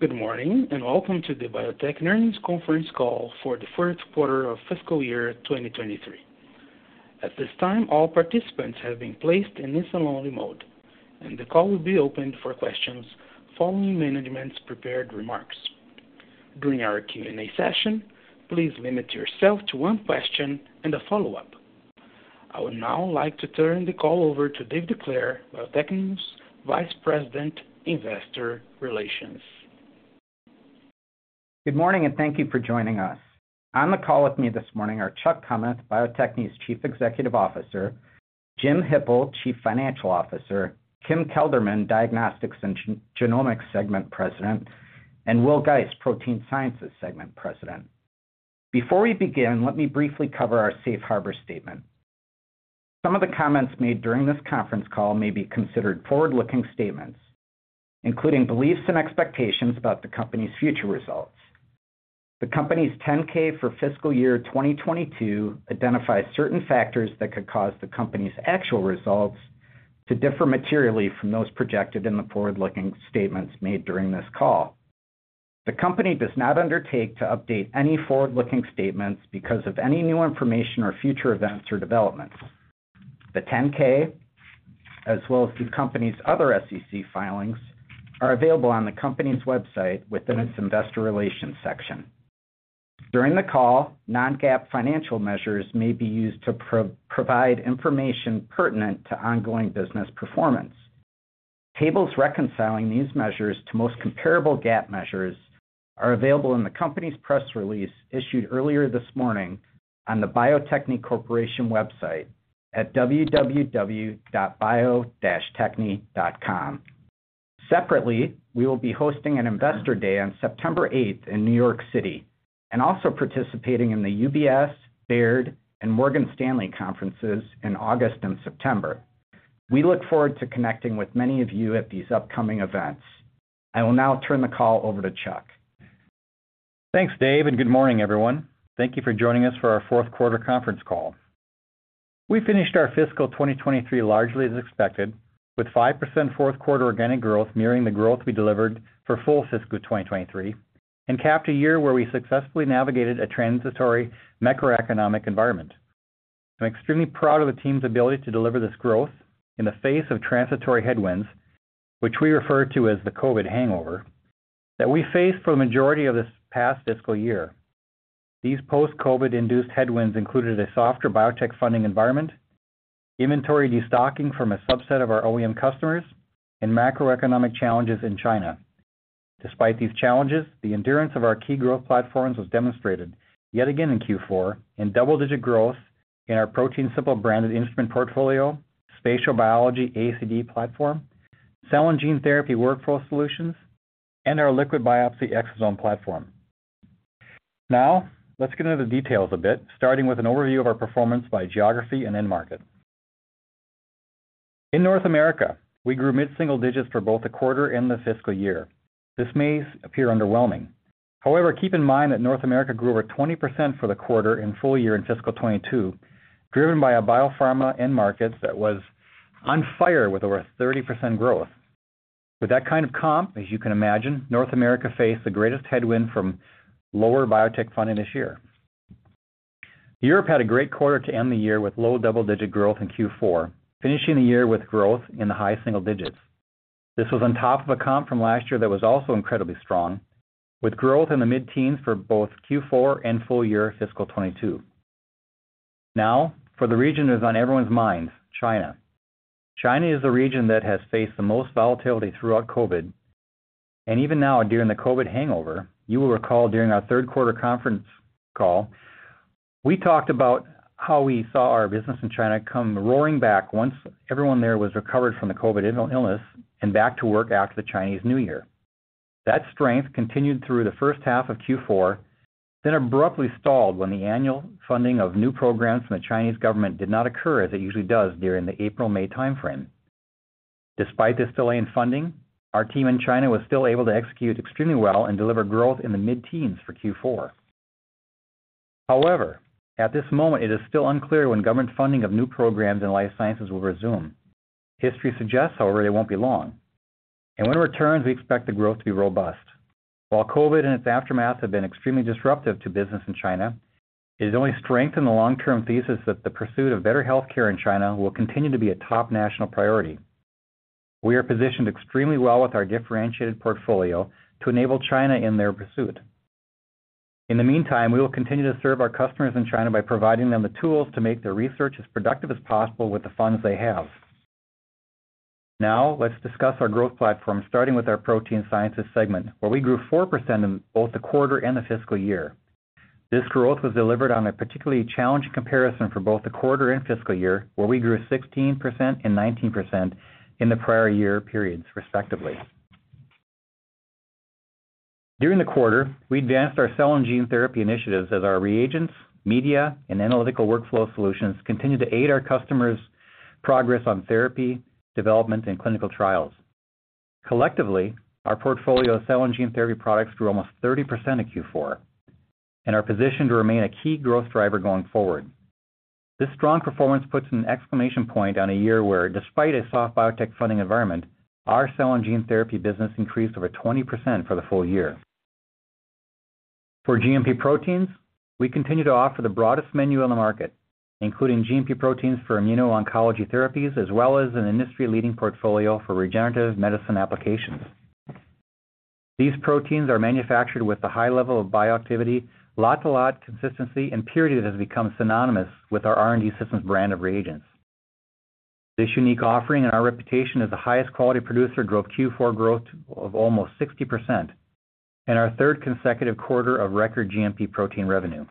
Good morning, Welcome to the Bio-Techne Conference Call for the Q4 of FY 2023. At this time, all participants have been placed in listen-only mode, and the call will be opened for questions following management's prepared remarks. During our Q&A session, please limit yourself to one question and a follow-up. I would now like to turn the call over to David DeYoe Bio-Techne's Vice President, Investor Relations. Good morning, and thank you for joining us. On the call with me this morning are Chuck Kummeth, Bio-Techne's Chief Executive Officer; Jim Hippel, Chief Financial Officer; Kim Kelderman, Diagnostics and Genomics Segment President; and Will Geist, Protein Sciences Segment President. Before we begin, let me briefly cover our safe harbor statement. Some of the comments made during this conference call may be considered forward-looking statements, including beliefs and expectations about the company's future results. The company's 10-K for fiscal year 2022 identifies certain factors that could cause the company's actual results to differ materially from those projected in the forward-looking statements made during this call. The company does not undertake to update any forward-looking statements because of any new information or future events or developments. The 10-K, as well as the company's other SEC filings, are available on the company's website within its investor relations section. During the call, non-GAAP financial measures may be used to provide information pertinent to ongoing business performance. Tables reconciling these measures to most comparable GAAP measures are available in the company's press release issued earlier this morning on the Bio-Techne Corporation website at www.bio-techne.com. Separately, we will be hosting an Investor Day on September 8 in New York City and also participating in the UBS, Baird, and Morgan Stanley conferences in August and September. We look forward to connecting with many of you at these upcoming events. I will now turn the call over to Chuck. Thanks, Dave, and good morning, everyone. Thank you for joining us for our Q4 conference call. We finished our fiscal 2023 largely as expected, with 5% Q4 organic growth, mirroring the growth we delivered for full fiscal 2023 and capped a year where we successfully navigated a transitory macroeconomic environment. I'm extremely proud of the team's ability to deliver this growth in the face of transitory headwinds, which we refer to as the COVID hangover, that we faced for the majority of this past fiscal year. These post-COVID-induced headwinds included a softer biotech funding environment, inventory destocking from a subset of our OEM customers, and macroeconomic challenges in China. Despite these challenges, the endurance of our key growth platforms was demonstrated yet again in Q4, in double-digit growth in our ProteinSimple branded instrument portfolio, spatial biology ACD platform, cell and gene therapy workflow solutions, and our liquid biopsy exosome platform. Let's get into the details a bit, starting with an overview of our performance by geography and end market. In North America, we grew mid-single digits for both the quarter and the fiscal year. This may appear underwhelming. However, keep in mind that North America grew over 20% for the quarter and full year in fiscal 2022, driven by a biopharma end market that was on fire with over 30% growth. With that kind of comp, as you can imagine, North America faced the greatest headwind from lower biotech funding this year. Europe had a great quarter to end the year with low double-digit growth in Q4, finishing the year with growth in the high single digits. This was on top of a comp from last year that was also incredibly strong, with growth in the mid-teens for both Q4 and full fiscal 2022. Now, for the region that is on everyone's minds, China. China is a region that has faced the most volatility throughout COVID, and even now, during the COVID hangover, you will recall during our Q3 conference call, we talked about how we saw our business in China come roaring back once everyone there was recovered from the COVID illness and back to work after the Chinese New Year. That strength continued through the first half of Q4, then abruptly stalled when the annual funding of new programs from the Chinese government did not occur as it usually does during the April-May timeframe. Despite this delay in funding, our team in China was still able to execute extremely well and deliver growth in the mid-teens for Q4. However, at this moment, it is still unclear when government funding of new programs in life sciences will resume. History suggests, however, it won't be long, and when it returns, we expect the growth to be robust. While COVID and its aftermath have been extremely disruptive to business in China, it has only strengthened the long-term thesis that the pursuit of better healthcare in China will continue to be a top national priority. We are positioned extremely well with our differentiated portfolio to enable China in their pursuit. In the meantime, we will continue to serve our customers in China by providing them the tools to make their research as productive as possible with the funds they have. Let's discuss our growth platform, starting with the Protein Sciences segment, where we grew 4% in both the quarter and the fiscal year. This growth was delivered on a particularly challenging comparison for both the quarter and fiscal year, where we grew 16% and 19% in the prior year periods, respectively. During the quarter, we advanced our cell and gene therapy initiatives as our reagents, media, and analytical workflow solutions continued to aid our customers' progress on therapy, development, and clinical trials. Collectively, our portfolio of cell and gene therapy products grew almost 30% in Q4 and are positioned to remain a key growth driver going forward. This strong performance puts an exclamation point on a year where, despite a soft biotech funding environment, our cell and gene therapy business increased over 20% for the full year. For GMP proteins, we continue to offer the broadest menu on the market, including GMP proteins for immuno-oncology therapies, as well as an industry-leading portfolio for regenerative medicine applications. These proteins are manufactured with a high level of bioactivity, lot-to-lot consistency, and purity that has become synonymous with our R&D Systems brand of reagents. This unique offering and our reputation as the highest quality producer drove Q4 growth of almost 60% and our third consecutive quarter of record GMP protein revenue.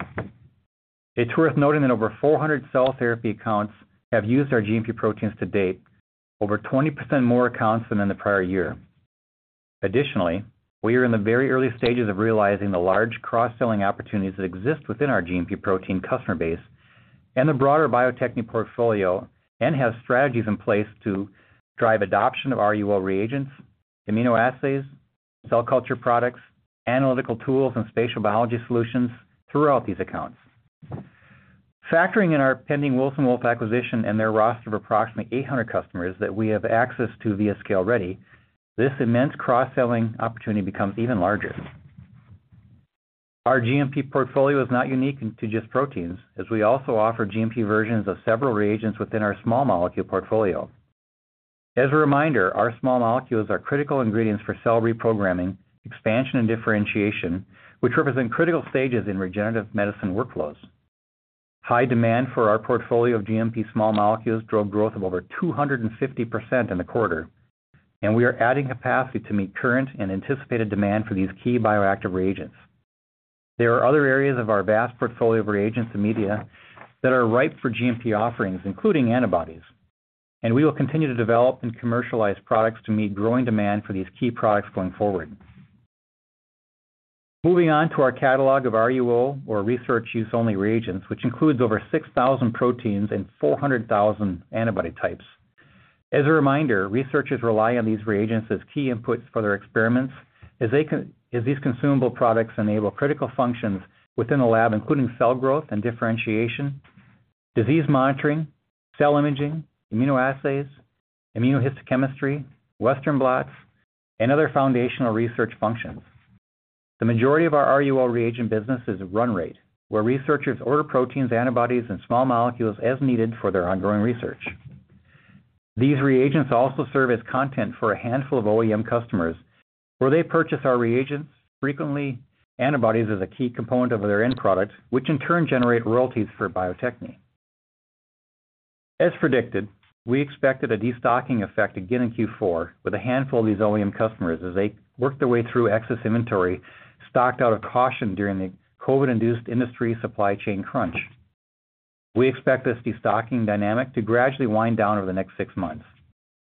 It's worth noting that over 400 cell therapy accounts have used our GMP proteins to date, over 20% more accounts than in the prior year. Additionally, we are in the very early stages of realizing the large cross-selling opportunities that exist within our GMP protein customer base and the broader Bio-Techne portfolio, and have strategies in place to drive adoption of RUO reagents, immunoassays, cell culture products, analytical tools, and spatial biology solutions throughout these accounts. Factoring in our pending Wilson Wolf acquisition and their roster of approximately 800 customers that we have access to via ScaleReady, this immense cross-selling opportunity becomes even larger. Our GMP portfolio is not unique to just proteins, as we also offer GMP versions of several reagents within our small molecule portfolio. As a reminder, our small molecules are critical ingredients for cell reprogramming, expansion, and differentiation, which represent critical stages in regenerative medicine workflows. High demand for our portfolio of GMP small molecules drove growth of over 250% in the quarter. We are adding capacity to meet current and anticipated demand for these key bioactive reagents. There are other areas of our vast portfolio of reagents and media that are ripe for GMP offerings, including antibodies. We will continue to develop and commercialize products to meet growing demand for these key products going forward. Moving on to our catalog of RUO, or Research Use Only reagents, which includes over 6,000 proteins and 400,000 antibody types. As a reminder, researchers rely on these reagents as key inputs for their experiments, as these consumable products enable critical functions within a lab, including cell growth and differentiation, disease monitoring, cell imaging, immunoassays, immunohistochemistry, Western blots, and other foundational research functions. The majority of our RUO reagent business is run rate, where researchers order proteins, antibodies, and small molecules as needed for their ongoing research. These reagents also serve as content for a handful of OEM customers, where they purchase our reagents, frequently antibodies, as a key component of their end product, which in turn generate royalties for Bio-Techne. As predicted, we expected a destocking effect again in Q4 with a handful of these OEM customers as they worked their way through excess inventory, stocked out of caution during the COVID-induced industry supply chain crunch. We expect this destocking dynamic to gradually wind down over the next six months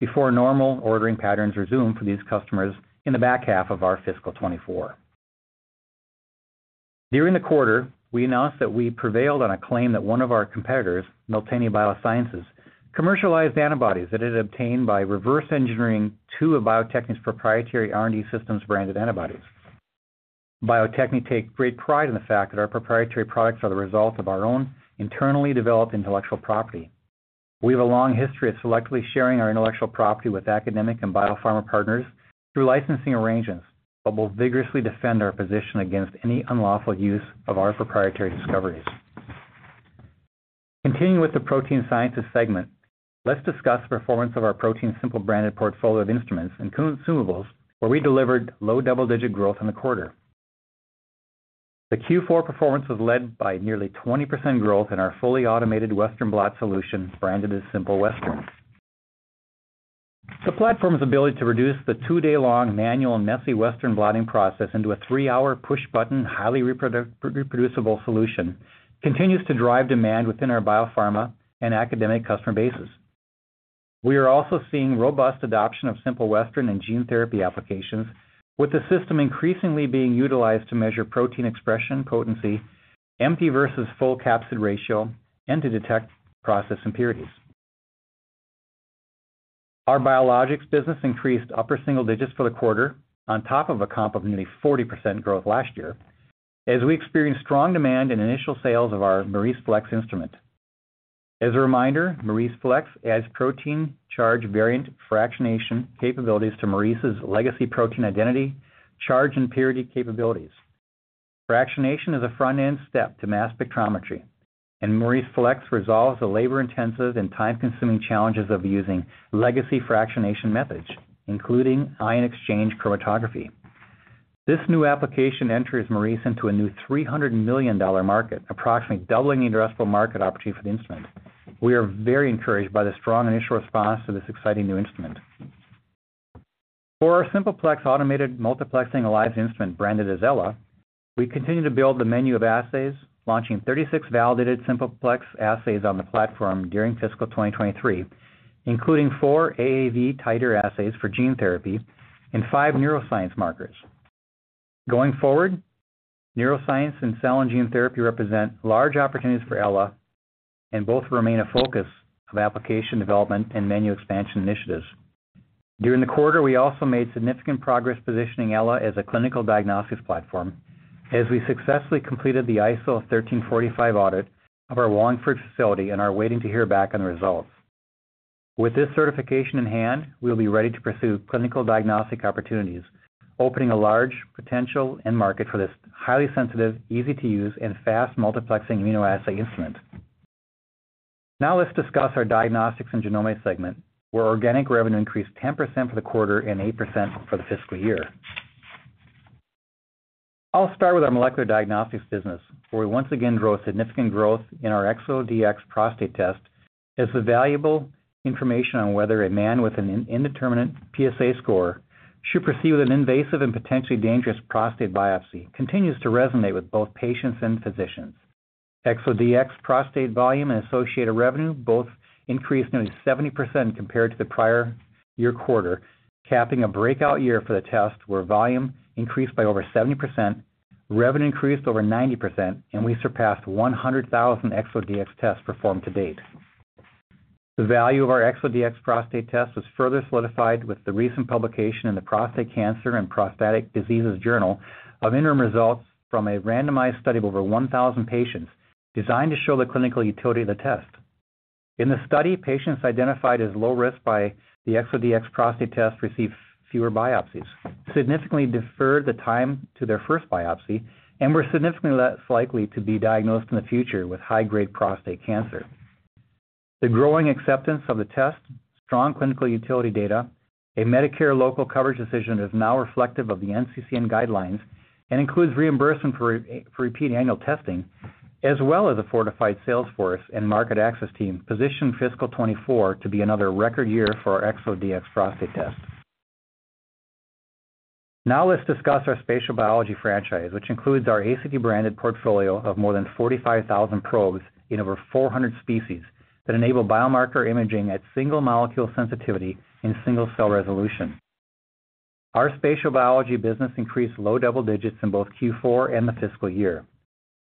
before normal ordering patterns resume for these customers in the back half of our fiscal 2024. During the quarter, we announced that we prevailed on a claim that one of our competitors, Nultania Biosciences, commercialized antibodies that it had obtained by reverse engineering two of Bio-Techne's proprietary R&D Systems-branded antibodies. Bio-Techne take great pride in the fact that our proprietary products are the result of our own internally developed intellectual property. We have a long history of selectively sharing our intellectual property with academic and biopharma partners through licensing arrangements, but will vigorously defend our position against any unlawful use of our proprietary discoveries. Continuing with the Protein Sciences segment, let's discuss the performance of our ProteinSimple branded portfolio of instruments and consumables, where we delivered low double-digit growth in the quarter. The Q4 performance was led by nearly 20% growth in our fully automated Western blot solution, branded as Simple Western. The platform's ability to reduce the 2-day-long, manual, and messy Western blotting process into a 3-hour, push-button, highly reproducible solution, continues to drive demand within our biopharma and academic customer bases. We are also seeing robust adoption of Simple Western in gene therapy applications, with the system increasingly being utilized to measure protein expression, potency, empty versus full capsid ratio, and to detect process impurities. Our biologics business increased upper single digits for the quarter on top of a comp of nearly 40% growth last year, as we experienced strong demand and initial sales of our MauriceFlex instrument. As a reminder, MauriceFlex adds protein charge variant fractionation capabilities to Maurice's legacy protein identity, charge, and purity capabilities. Fractionation is a front-end step to mass spectrometry, and MauriceFlex resolves the labor-intensive and time-consuming challenges of using legacy fractionation methods, including ion exchange chromatography. This new application enters Maurice into a new $300 million market, approximately doubling the addressable market opportunity for the instrument. We are very encouraged by the strong initial response to this exciting new instrument. For our Simple Plex automated multiplexing ELISA instrument, branded as Ella, we continue to build the menu of assays, launching 36 validated Simple Plex assays on the platform during fiscal 2023, including 4 AAV titer assays for gene therapy and 5 neuroscience markers. Going forward, neuroscience and cell and gene therapy represent large opportunities for Ella, and both remain a focus of application development and menu expansion initiatives. During the quarter, we also made significant progress positioning Ella as a clinical diagnostics platform, as we successfully completed the ISO 13485 audit of our Wallingford facility and are waiting to hear back on the results. With this certification in hand, we'll be ready to pursue clinical diagnostic opportunities, opening a large potential end market for this highly sensitive, easy-to-use, and fast multiplexing immunoassay instrument. Let's discuss our Diagnostics and Genomics segment, where organic revenue increased 10% for the quarter and 8% for the fiscal year. I'll start with our molecular diagnostics business, where we once again drove significant growth in our ExoDX prostate test, as the valuable information on whether a man with an indeterminate PSA score should proceed with an invasive and potentially dangerous prostate biopsy, continues to resonate with both patients and physicians. ExoDX prostate volume and associated revenue both increased nearly 70% compared to the prior year quarter, capping a breakout year for the test, where volume increased by over 70%, revenue increased over 90%, and we surpassed 100,000 ExoDX tests performed to date. The value of our ExoDX prostate test was further solidified with the recent publication in the Prostate Cancer and Prostatic Diseases Journal of interim results from a randomized study of over 1,000 patients, designed to show the clinical utility of the test. In the study, patients identified as low risk by the ExoDX prostate test received fewer biopsies, significantly deferred the time to their first biopsy, and were significantly less likely to be diagnosed in the future with high-grade prostate cancer. The growing acceptance of the test, strong clinical utility data, a Medicare local coverage decision that is now reflective of the NCCN guidelines and includes reimbursement for repeating annual testing, as well as a fortified sales force and market access team, position fiscal 2024 to be another record year for our ExoDX prostate test. Let's discuss our spatial biology franchise, which includes our ACD-branded portfolio of more than 45,000 probes in over 400 species, that enable biomarker imaging at single-molecule sensitivity and single-cell resolution. Our spatial biology business increased low double digits in both Q4 and the fiscal year.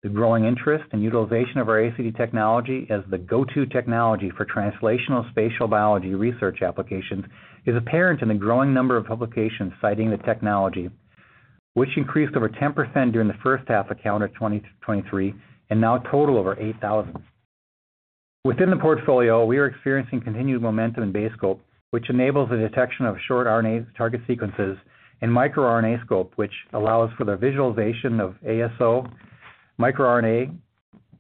The growing interest and utilization of our ACD technology as the go-to technology for translational spatial biology research applications, is apparent in the growing number of publications citing the technology, which increased over 10% during the first half of calendar 2023, and now total over 8,000. Within the portfolio, we are experiencing continued momentum in BaseScope, which enables the detection of short RNA target sequences, and microRNA Scope, which allows for the visualization of ASO, microRNA,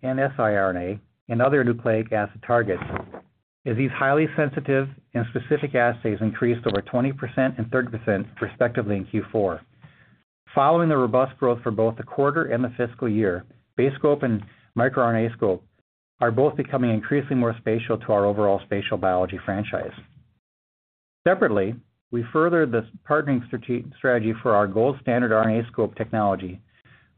and siRNA, and other nucleic acid targets. As these highly sensitive and specific assays increased over 20% and 30% respectively in Q4. Following the robust growth for both the quarter and the fiscal year, BaseScope and microRNA Scope are both becoming increasingly more spatial to our overall spatial biology franchise. Separately, we furthered the partnering strategy for our gold standard RNA Scope technology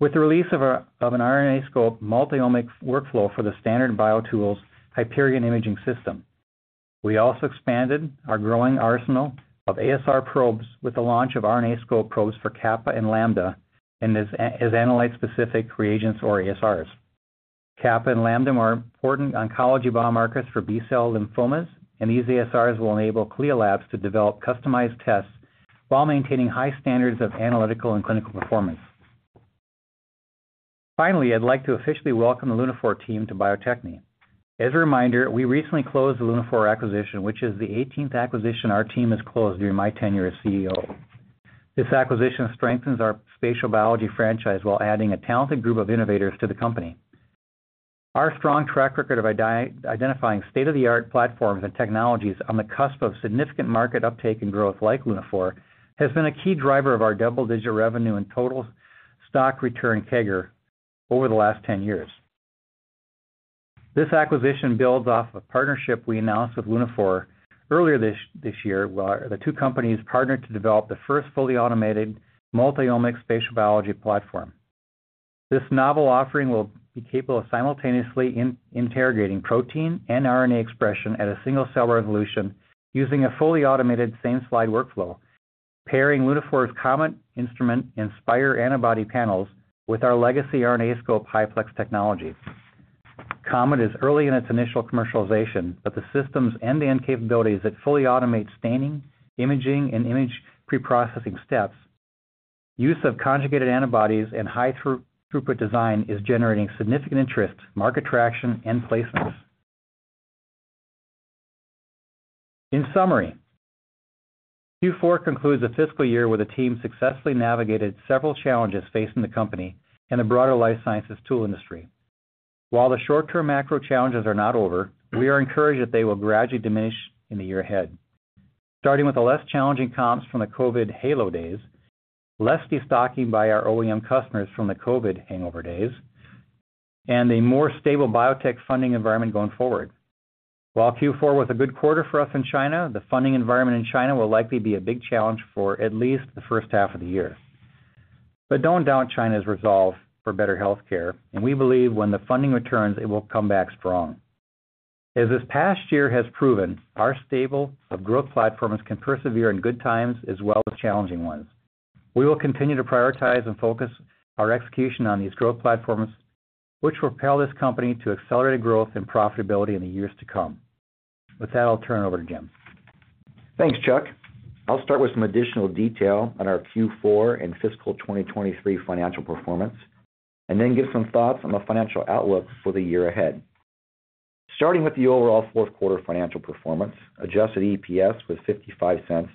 with the release of an RNA Scope multi-omics workflow for the Standard BioTools Hyperion imaging system. We also expanded our growing arsenal of ASR probes with the launch of RNA Scope probes for Kappa and Lambda, as analyte-specific reagents or ASRs. Kappa and Lambda are important oncology biomarkers for B-cell lymphomas, and these ASRs will enable CLIA labs to develop customized tests while maintaining high standards of analytical and clinical performance. Finally, I'd like to officially welcome the Lunaphore team to Bio-Techne. As a reminder, we recently closed the Lunaphore acquisition, which is the 18th acquisition our team has closed during my tenure as CEO. This acquisition strengthens our spatial biology franchise while adding a talented group of innovators to the company. Our strong track record of identifying state-of-the-art platforms and technologies on the cusp of significant market uptake and growth like Lunaphore, has been a key driver of our double-digit revenue and total stock return CAGR over the last 10 years. This acquisition builds off a partnership we announced with Lunaphore earlier this year, where the two companies partnered to develop the first fully automated multi-omics spatial biology platform. This novel offering will be capable of simultaneously interrogating protein and RNA expression at a single-cell resolution using a fully automated same-slide workflow, pairing Lunaphore's COMET instrument Inspire antibody panels with our legacy RNAscope HyFlex technology. COMET is early in its initial commercialization, but the systems and the end capabilities that fully automate staining, imaging, and image preprocessing steps, use of conjugated antibodies and high-throughput design is generating significant interest, market traction, and placements. In summary, Q4 concludes a fiscal year where the team successfully navigated several challenges facing the company and the broader life sciences tool industry. While the short-term macro challenges are not over, we are encouraged that they will gradually diminish in the year ahead. Starting with the less challenging comps from the COVID halo days, less destocking by our OEM customers from the COVID hangover days, and a more stable biotech funding environment going forward. While Q4 was a good quarter for us in China, the funding environment in China will likely be a big challenge for at least the first half of the year. Don't doubt China's resolve for better healthcare, and we believe when the funding returns, it will come back strong. As this past year has proven, our stable of growth platforms can persevere in good times as well as challenging ones. We will continue to prioritize and focus our execution on these growth platforms, which will propel this company to accelerated growth and profitability in the years to come. With that, I'll turn it over to Jim. Thanks, Chuck. I'll start with some additional detail on our Q4 and fiscal 2023 financial performance, and then give some thoughts on the financial outlook for the year ahead. Starting with the overall Q4 financial performance, adjusted EPS was $0.55,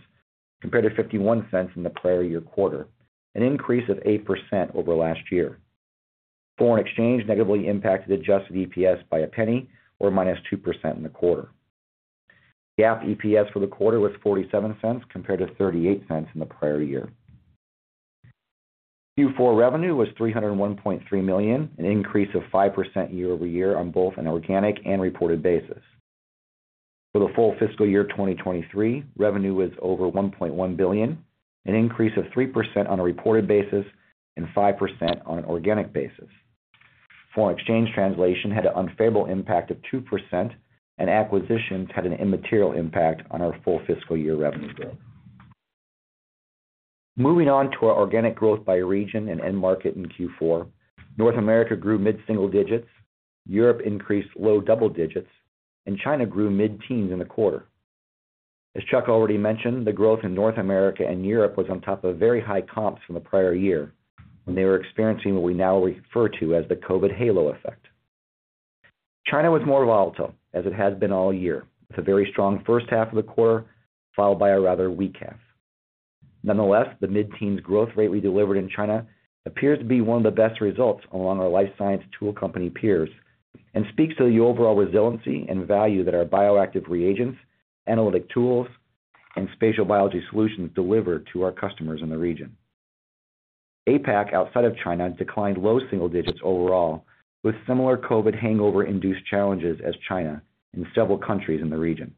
compared to $0.51 in the prior year quarter, an increase of 8% over last year. Foreign exchange negatively impacted adjusted EPS by $0.01, or -2% in the quarter. GAAP EPS for the quarter was $0.47, compared to $0.38 in the prior year. Q4 revenue was $301.3 million, an increase of 5% year-over-year on both an organic and reported basis. For the full fiscal year 2023, revenue was over $1.1 billion, an increase of 3% on a reported basis and 5% on an organic basis. Foreign exchange translation had an unfavorable impact of 2%. Acquisitions had an immaterial impact on our full fiscal year revenue growth. Moving on to our organic growth by region and end market in Q4, North America grew mid-single digits, Europe increased low double digits, China grew mid-teens in the quarter. As Chuck already mentioned, the growth in North America and Europe was on top of very high comps from the prior year, when they were experiencing what we now refer to as the COVID halo effect. China was more volatile, as it has been all year, with a very strong first half of the quarter, followed by a rather weak half. Nonetheless, the mid-teens growth rate we delivered in China appears to be one of the best results among our life science tool company peers, and speaks to the overall resiliency and value that our bioactive reagents, analytical tools, and spatial biology solutions deliver to our customers in the region. APAC, outside of China, declined low single digits overall, with similar COVID hangover-induced challenges as China in several countries in the region.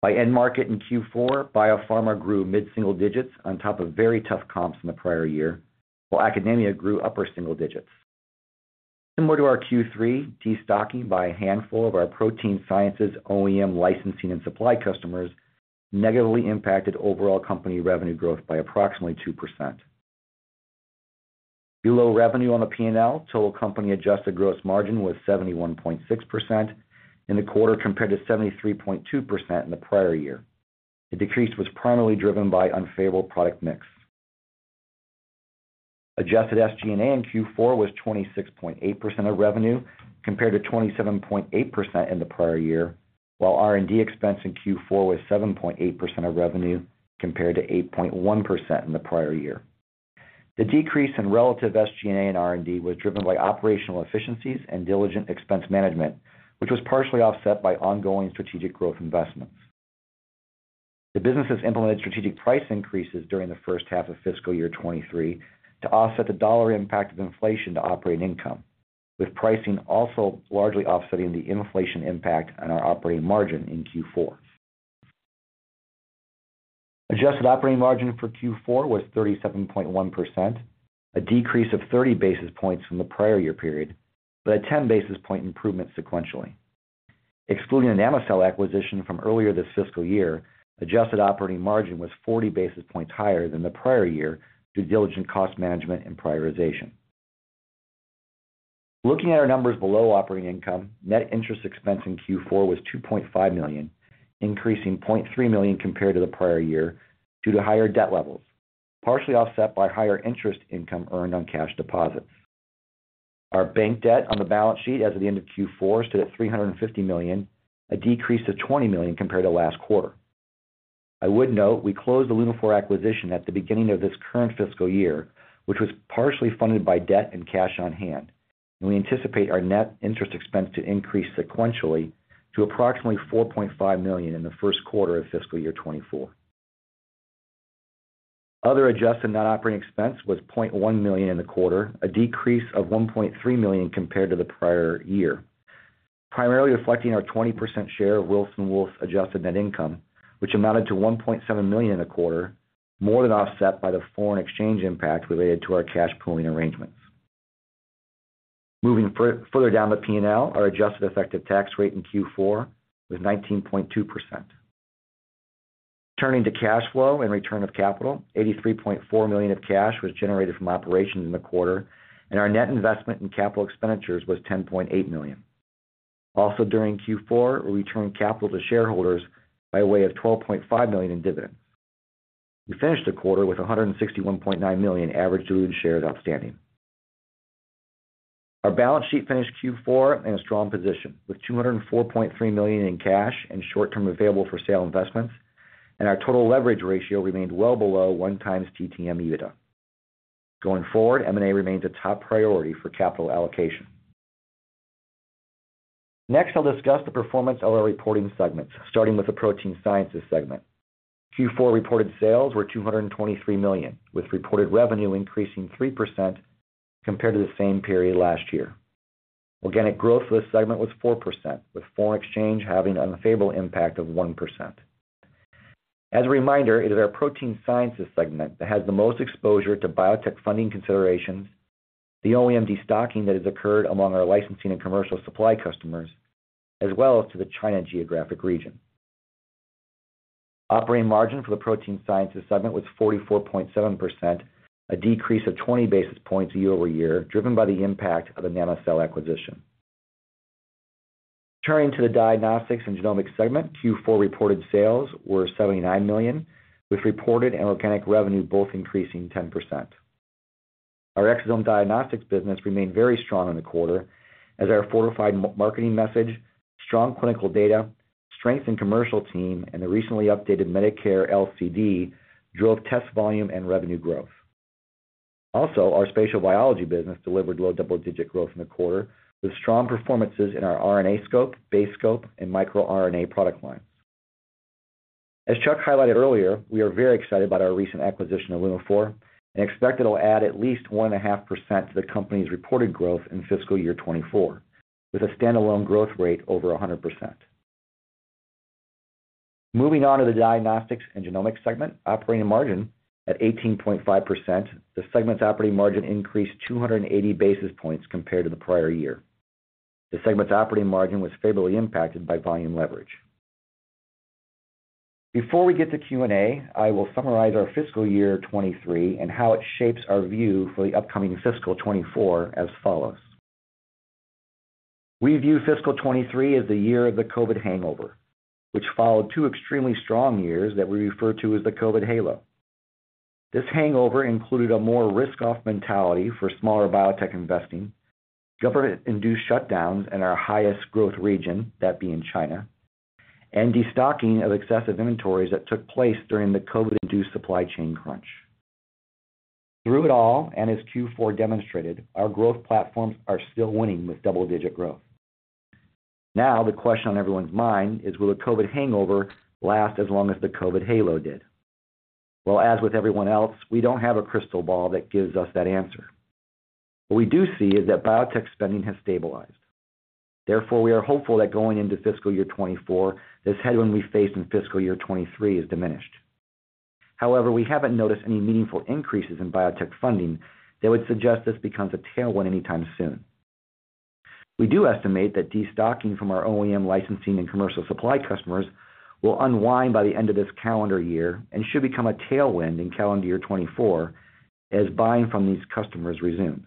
By end market in Q4, biopharma grew mid-single digits on top of very tough comps in the prior year, while academia grew upper single digits. Similar to our Q3, destocking by a handful of our protein sciences OEM licensing and supply customers negatively impacted overall company revenue growth by approximately 2%. Below revenue on the P&L, total company adjusted gross margin was 71.6% in the quarter, compared to 73.2% in the prior year. The decrease was primarily driven by unfavorable product mix. Adjusted SG&A in Q4 was 26.8% of revenue, compared to 27.8% in the prior year, while R&D expense in Q4 was 7.8% of revenue, compared to 8.1% in the prior year. The decrease in relative SG&A and R&D was driven by operational efficiencies and diligent expense management, which was partially offset by ongoing strategic growth investments. The business has implemented strategic price increases during the first half of fiscal year 2023 to offset the dollar impact of inflation to operating income, with pricing also largely offsetting the inflation impact on our operating margin in Q4. Adjusted operating margin for Q4 was 37.1%, a decrease of 30 basis points from the prior year period, but a 10 basis point improvement sequentially. Excluding the Namicell acquisition from earlier this fiscal year, adjusted operating margin was 40 basis points higher than the prior year due to diligent cost management and prioritization. Looking at our numbers below operating income, net interest expense in Q4 was $2.5 million, increasing $0.3 million compared to the prior year due to higher debt levels, partially offset by higher interest income earned on cash deposits. Our bank debt on the balance sheet as of the end of Q4 stood at $350 million, a decrease of $20 million compared to last quarter. I would note we closed the Lunaphore acquisition at the beginning of this current fiscal year, which was partially funded by debt and cash on hand, and we anticipate our net interest expense to increase sequentially to approximately $4.5 million in the Q1 of fiscal year 2024. Other adjusted net operating expense was $0.1 million in the quarter, a decrease of $1.3 million compared to the prior year, primarily reflecting our 20% share of Wilson Wolf's adjusted net income, which amounted to $1.7 million in the quarter, more than offset by the foreign exchange impact related to our cash pooling arrangements. Moving further down the P&L, our adjusted effective tax rate in Q4 was 19.2%. Turning to cash flow and return of capital, $83.4 million of cash was generated from operations in the quarter, and our net investment in capital expenditures was $10.8 million. During Q4, we returned capital to shareholders by way of $12.5 million in dividends. We finished the quarter with 161.9 million average diluted shares outstanding. Our balance sheet finished Q4 in a strong position, with $204.3 million in cash and short-term available for sale investments, and our total leverage ratio remained well below 1 times TTM EBITDA. Going forward, M&A remains a top priority for capital allocation. Next, I'll discuss the performance of our reporting segments, starting with the Protein Sciences segment. Q4 reported sales were $223 million, with reported revenue increasing 3% compared to the same period last year. Organic growth for this segment was 4%, with foreign exchange having an unfavorable impact of 1%. As a reminder, it is our Protein Sciences segment that has the most exposure to biotech funding considerations, the OEM destocking that has occurred among our licensing and commercial supply customers, as well as to the China geographic region. Operating margin for the Protein Sciences segment was 44.7%, a decrease of 20 basis points year-over-year, driven by the impact of the Nanocell acquisition. Turning to the Diagnostics and Genomics segment, Q4 reported sales were $79 million, with reported and organic revenue both increasing 10%. Our exosome diagnostics business remained very strong in the quarter as our fortified marketing message, strong clinical data, strength in commercial team, and the recently updated Medicare LCD drove test volume and revenue growth. Our spatial biology business delivered low double-digit growth in the quarter, with strong performances in our RNAscope, BaseScope, and microRNA product lines. As Chuck highlighted earlier, we are very excited about our recent acquisition of Lunaphore, expect it'll add at least 1.5% to the company's reported growth in fiscal year 2024, with a standalone growth rate over 100%. Moving on to the Diagnostics and Genomics segment, operating margin at 18.5%, the segment's operating margin increased 280 basis points compared to the prior year. The segment's operating margin was favorably impacted by volume leverage. Before we get to Q&A, I will summarize our fiscal year 2023 and how it shapes our view for the upcoming fiscal 2024 as follows: We view fiscal 2023 as the year of the COVID hangover, which followed two extremely strong years that we refer to as the COVID halo. This hangover included a more risk-off mentality for smaller biotech investing, government-induced shutdowns in our highest growth region, that being China, and destocking of excessive inventories that took place during the COVID-induced supply chain crunch. Through it all, and as Q4 demonstrated, our growth platforms are still winning with double-digit growth. The question on everyone's mind is: will the COVID hangover last as long as the COVID halo did? Well, as with everyone else, we don't have a crystal ball that gives us that answer. What we do see is that biotech spending has stabilized. Therefore, we are hopeful that going into fiscal year 2024, this headwind we face in fiscal year 2023 is diminished. However, we haven't noticed any meaningful increases in biotech funding that would suggest this becomes a tailwind anytime soon. We do estimate that destocking from our OEM licensing and commercial supply customers will unwind by the end of this calendar year, and should become a tailwind in calendar year 2024 as buying from these customers resumes.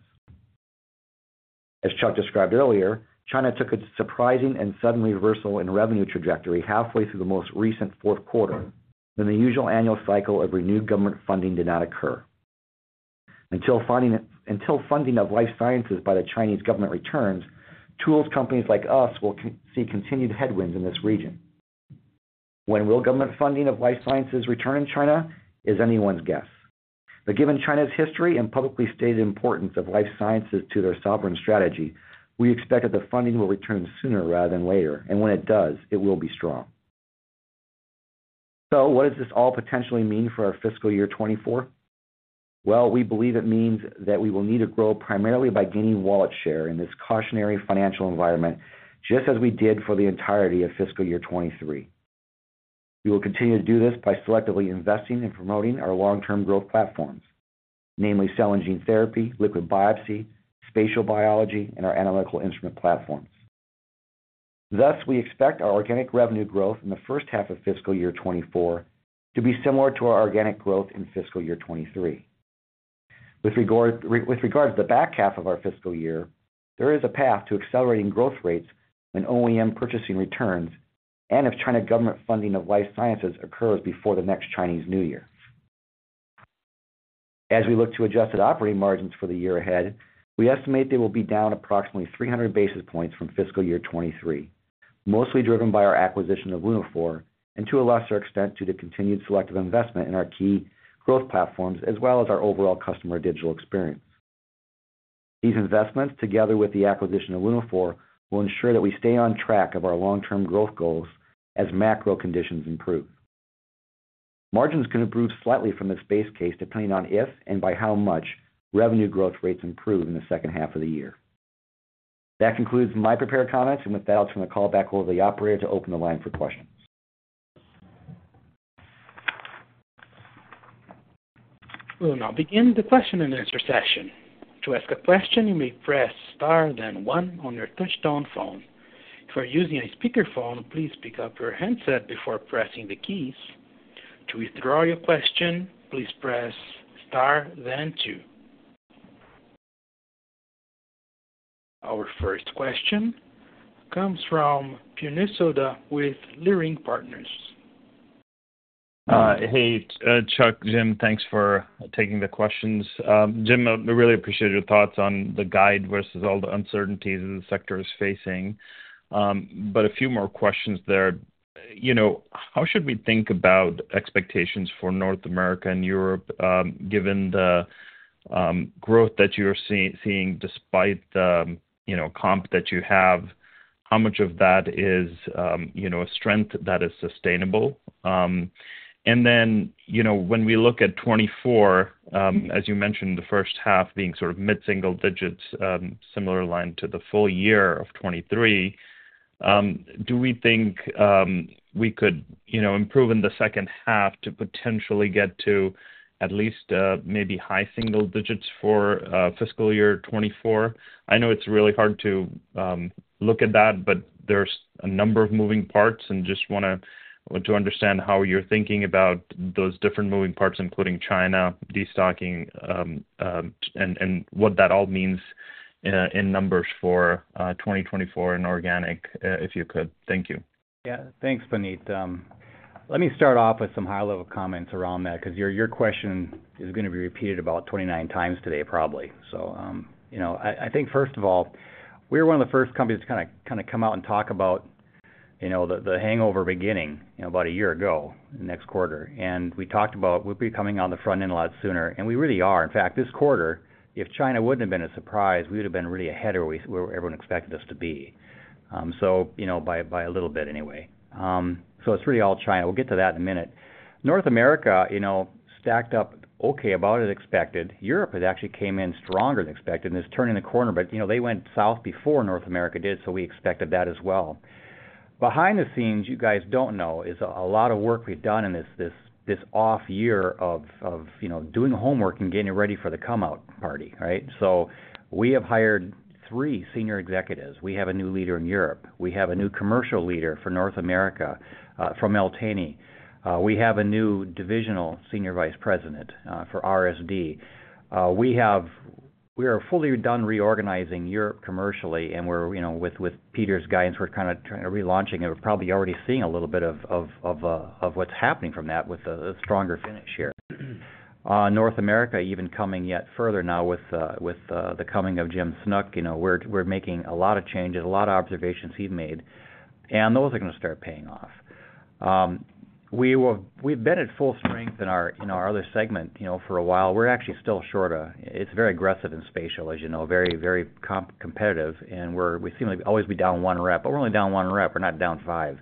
As Chuck described earlier, China took a surprising and sudden reversal in revenue trajectory halfway through the most recent Q4, when the usual annual cycle of renewed government funding did not occur. Until funding of life sciences by the Chinese government returns, tools companies like us will see continued headwinds in this region. When will government funding of life sciences return in China? Is anyone's guess. Given China's history and publicly stated importance of life sciences to their sovereign strategy, we expect that the funding will return sooner rather than later, and when it does, it will be strong. What does this all potentially mean for our fiscal year 2024? Well, we believe it means that we will need to grow primarily by gaining wallet share in this cautionary financial environment, just as we did for the entirety of fiscal year 2023. We will continue to do this by selectively investing and promoting our long-term growth platforms, namely, cell and gene therapy, liquid biopsy, spatial biology, and our analytical instrument platforms. Thus, we expect our organic revenue growth in the first half of fiscal year 2024 to be similar to our organic growth in fiscal year 2023. With regard to the back half of our fiscal year, there is a path to accelerating growth rates when OEM purchasing returns and if China government funding of life sciences occurs before the next Chinese New Year. As we look to adjusted operating margins for the year ahead, we estimate they will be down approximately 300 basis points from fiscal year 2023, mostly driven by our acquisition of Lunaphore, and to a lesser extent, due to continued selective investment in our key growth platforms, as well as our overall customer digital experience. These investments, together with the acquisition of Lunaphore, will ensure that we stay on track of our long-term growth goals as macro conditions improve. Margins can improve slightly from this base case, depending on if and by how much revenue growth rates improve in the second half of the year. That concludes my prepared comments, and with that, I'll turn the call back over to the operator to open the line for questions. We will now begin the question and answer session. To ask a question, you may press star, then 1 on your touchtone phone. If you are using a speakerphone, please pick up your handset before pressing the keys. To withdraw your question, please press star, then 2. Our first question comes from Puneet Souda with Leerink Partners. Chuck, Jim, thanks for taking the questions. Jim, I really appreciate your thoughts on the guide versus all the uncertainties that the sector is facing. A few more questions there. You know, how should we think about expectations for North America and Europe, given the growth that you're seeing despite the, you know, comp that you have? How much of that is, you know, a strength that is sustainable? You know, when we look at 2024, as you mentioned, the first half being sort of mid-single digits, similar line to the full year of 2023... Do we think, we could, you know, improve in the second half to potentially get to at least, maybe high single digits for fiscal year 2024? I know it's really hard to look at that, but there's a number of moving parts, and just want to understand how you're thinking about those different moving parts, including China, destocking, and what that all means in numbers for 2024 in organic, if you could. Thank you. Yeah. Thanks, Puneet. Let me start off with some high-level comments around that, 'cause your, your question is going to be repeated about 29 times today, probably. You know, I, I think first of all, we're one of the first companies to kind of, kind of come out and talk about, you know, the, the hangover beginning, you know, about a year ago, next quarter. We talked about we'd be coming on the front end a lot sooner, and we really are. In fact, this quarter, if China wouldn't have been a surprise, we would've been really ahead of where everyone expected us to be, so, you know, by, by a little bit anyway. It's really all China. We'll get to that in a minute. North America, you know, stacked up okay, about as expected. Europe had actually came in stronger than expected, and it's turning the corner, but, you know, they went south before North America did, so we expected that as well. Behind the scenes, you guys don't know, is a lot of work we've done in this off-year of, you know, doing the homework and getting it ready for the come-out party, right? We have hired three senior executives. We have a new leader in Europe. We have a new commercial leader for North America, from Nultania. We have a new divisional senior vice president, for RSD. We are fully done reorganizing Europe commercially, and we're, you know, with, with Peter's guidance, we're kind of trying to relaunching it. We're probably already seeing a little bit of what's happening from that with a stronger finish here. North America, even coming yet further now with, with the coming of Jim Snavely, you know, we're, we're making a lot of changes, a lot of observations he's made, and those are going to start paying off. We've been at full strength in our, in our other segment, you know, for a while. We're actually still short. It's very aggressive in spatial, as you know, very, very competitive, and we seem to always be down one rep, but we're only down one rep, we're not down five.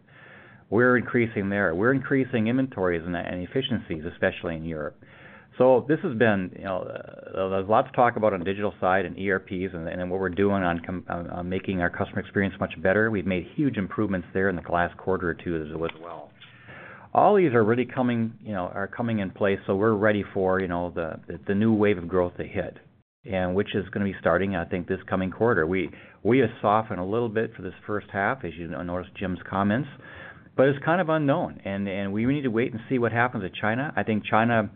We're increasing there. We're increasing inventories and, and efficiencies, especially in Europe. This has been, you know, there's a lot to talk about on the digital side and ERPs and what we're doing on making our customer experience much better. We've made huge improvements there in the last quarter or Q2 as well. All these are really coming, you know, are coming in place, so we're ready for, you know, the new wave of growth to hit, and which is going to be starting, I think, this coming quarter. We have softened a little bit for this first half, as you notice Jim's comments, but it's kind of unknown, and we need to wait and see what happens with China. I think China,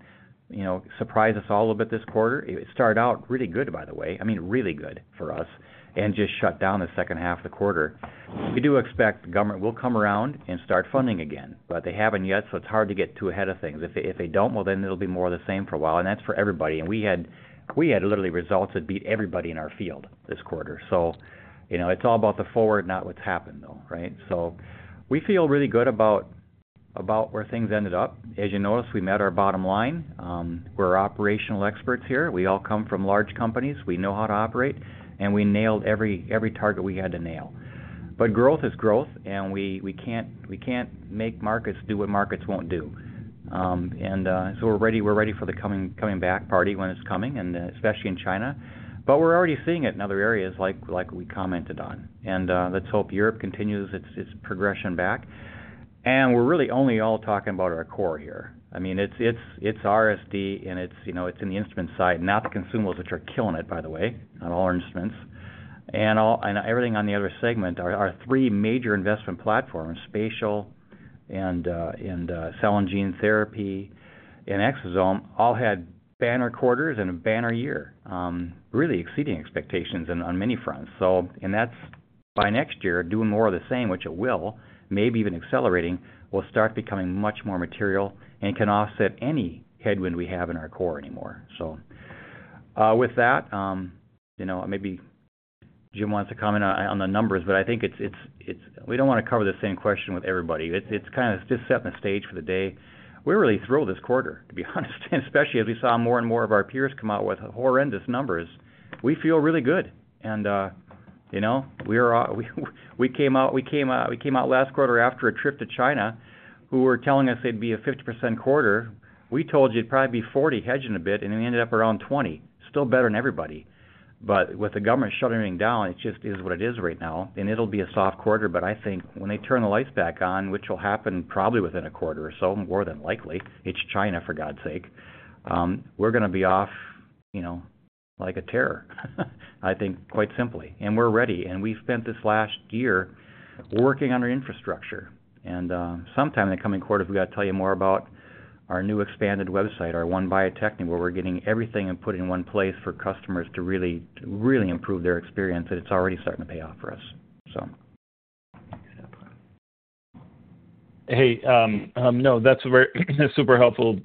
you know, surprised us all a little bit this quarter. It started out really good, by the way, I mean, really good for us, and just shut down the H2 of the quarter. We do expect the government will come around and start funding again, but they haven't yet, so it's hard to get too ahead of things. If they, if they don't, well, it'll be more of the same for a while, that's for everybody. We had, we had literally results that beat everybody in our field this quarter. You know, it's all about the forward, not what's happened, though, right? We feel really good about, about where things ended up. As you noticed, we met our bottom line. We're operational experts here. We all come from large companies. We know how to operate, we nailed every, every target we had to nail. Growth is growth, we, we can't, we can't make markets do what markets won't do. We're ready, we're ready for the coming, coming back party when it's coming, especially in China. We're already seeing it in other areas like, like we commented on. Let's hope Europe continues its, its progression back. We're really only all talking about our core here. I mean, it's, it's, it's RSD, and it's, you know, it's in the instrument side, not the consumables, which are killing it, by the way, on all our instruments. Everything on the other segment, our, our three major investment platforms, spatial and, and, cell and gene therapy and exosome, all had banner quarters and a banner year, really exceeding expectations on, on many fronts. That's by next year, doing more of the same, which it will, maybe even accelerating, will start becoming much more material and can offset any headwind we have in our core anymore. With that, you know, maybe Jim wants to comment on, on the numbers, but I think it's, it's, it's, we don't want to cover the same question with everybody. It's, it's kind of just setting the stage for the day. We're really thrilled this quarter, to be honest, especially as we saw more and more of our peers come out with horrendous numbers. We feel really good, and, you know, we are, we came out, we came out, we came out last quarter after a trip to China, who were telling us it'd be a 50% quarter. We told you it'd probably be 40%, hedging a bit, and it ended up around 20%. Still better than everybody. With the government shuttering down, it just is what it is right now, and it'll be a soft quarter. I think when they turn the lights back on, which will happen probably within a quarter or so, more than likely, it's China, for God's sake, we're going to be off, you know, like a terror, I think, quite simply. We're ready, and we've spent this last year working on our infrastructure. Sometime in the coming quarters, we've got to tell you more about our new expanded website, our One Bio-Techne, where we're getting everything and putting in one place for customers to really, to really improve their experience, and it's already starting to pay off for us, so. Hey, no, that's very, super helpful,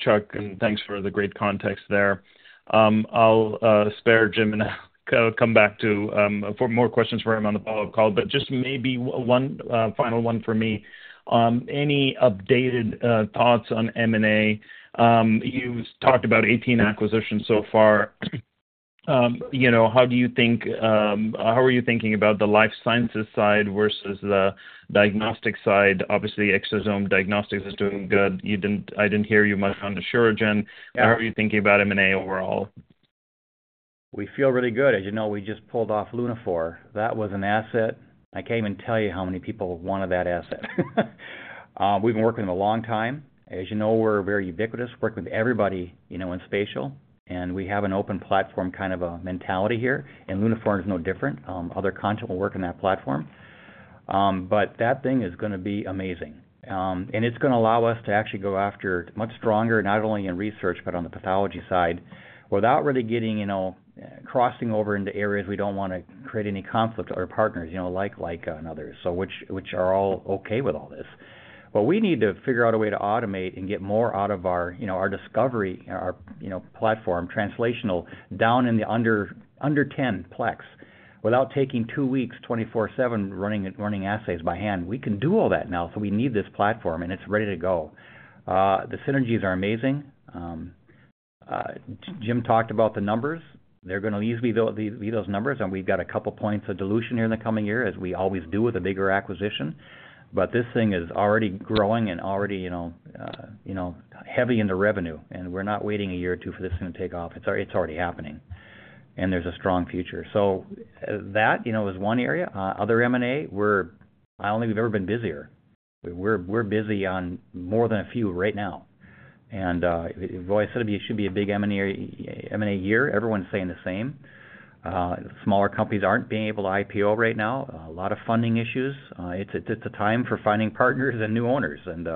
Chuck, and thanks for the great context there. I'll spare Jim and come back to for more questions for him on the follow-up call. Just maybe one final one for me. Any updated thoughts on M&A? You talked about 18 acquisitions so far. You know, how do you think, how are you thinking about the life sciences side versus the diagnostic side? Obviously, exosome diagnostics is doing good. I didn't hear you much on the Sera-Mag. Yeah. How are you thinking about M&A overall? We feel really good. As you know, we just pulled off Lunaphore. That was an asset, I can't even tell you how many people wanted that asset. We've been working a long time. As you know, we're very ubiquitous, work with everybody, you know, in spatial, and we have an open platform, kind of, mentality here, and Lunaphore is no different. Other content will work in that platform. That thing is gonna be amazing. It's gonna allow us to actually go after much stronger, not only in research but on the pathology side, without really getting, you know, crossing over into areas we don't wanna create any conflict with our partners, you know, like, like, others, so which, which are all okay with all this. We need to figure out a way to automate and get more out of our, you know, our discovery, our, you know, platform, translational, down in the under 10 plex, without taking two weeks, 24/7, running assays by hand. We can do all that now, so we need this platform, and it's ready to go. The synergies are amazing. Jim talked about the numbers. They're gonna easily be those numbers, and we've got a couple points of dilution here in the coming year, as we always do with a bigger acquisition. This thing is already growing and already, you know, you know, heavy into revenue, and we're not waiting a year or two for this one to take off. It's already happening, and there's a strong future. That, you know, is one area. Other M&A, we're I don't think we've ever been busier. We're, we're busy on more than a few right now. Well, I said it should be a big M&A, M&A year. Everyone's saying the same. Smaller companies aren't being able to IPO right now. A lot of funding issues. It's, it's a time for finding partners and new owners, and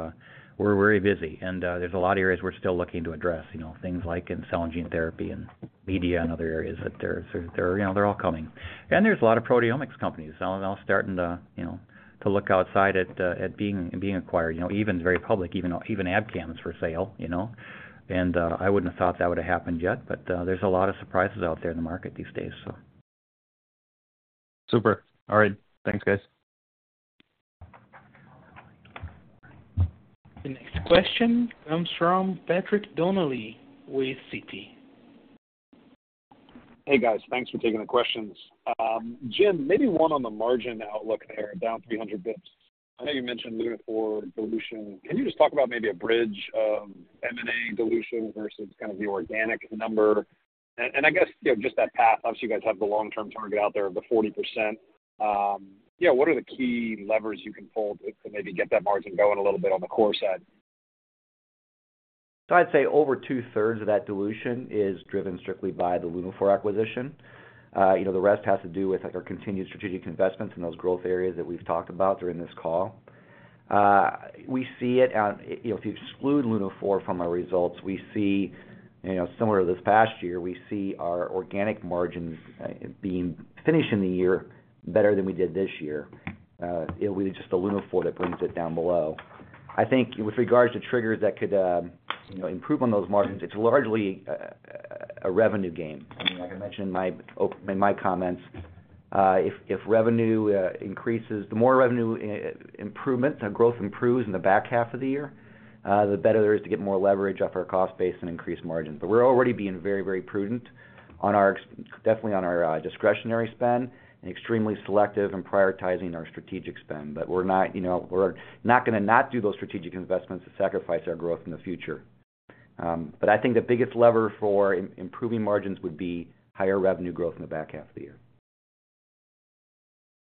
we're very busy. There's a lot of areas we're still looking to address, you know, things like in cell and gene therapy and media and other areas that they're, they're, you know, they're all coming. There's a lot of proteomics companies, all starting to, you know, to look outside at being, being acquired, you know, even very public, even, even Abcam is for sale, you know. I wouldn't have thought that would have happened yet, but, there's a lot of surprises out there in the market these days. Super. All right. Thanks, guys. The next question comes from Patrick Donnelly with Cowen. Hey, guys. Thanks for taking the questions. Jim, maybe one on the margin outlook there, down 300 basis points. I know you mentioned Lunaphore dilution. Can you just talk about maybe a bridge of M&A dilution versus kind of the organic number? I guess, you know, just that path. Obviously, you guys have the long-term target out there of the 40%. Yeah, what are the key levers you can pull to, to maybe get that margin going a little bit on the core side? I'd say over two-thirds of that dilution is driven strictly by the Lunaphore acquisition. You know, the rest has to do with our continued strategic investments in those growth areas that we've talked about during this call. We see it, you know, if you exclude Lunaphore from our results, we see, you know, similar to this past year, we see our organic margins finishing the year better than we did this year. It was just the Lunaphore that brings it down below. I think with regards to triggers that could, you know, improve on those margins, it's largely a, a revenue gain. I mean, like I mentioned in my comments, if revenue increases, the more revenue improvement and growth improves in the back half of the year, the better there is to get more leverage off our cost base and increase margins. We're already being very, very prudent on our definitely on our discretionary spend, and extremely selective in prioritizing our strategic spend. We're not, you know, we're not gonna not do those strategic investments to sacrifice our growth in the future. I think the biggest lever for improving margins would be higher revenue growth in the back half of the year.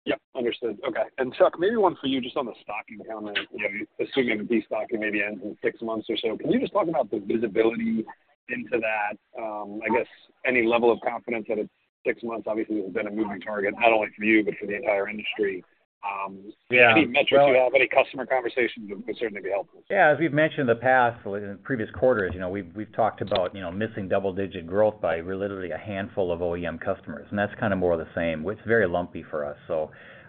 Yep, understood. Okay. Chuck, maybe one for you, just on the stocking comment. You know, assuming the destocking maybe ends in six months or so, can you just talk about the visibility into that? I guess any level of confidence that it's six months, obviously, has been a moving target, not only for you, but for the entire industry. Yeah. Any metrics you have, any customer conversations would, would certainly be helpful. Yeah, as we've mentioned in the past, in previous quarters, you know, we've, we've talked about, you know, missing double-digit growth by literally a handful of OEM customers, and that's kind of more of the same. It's very lumpy for us.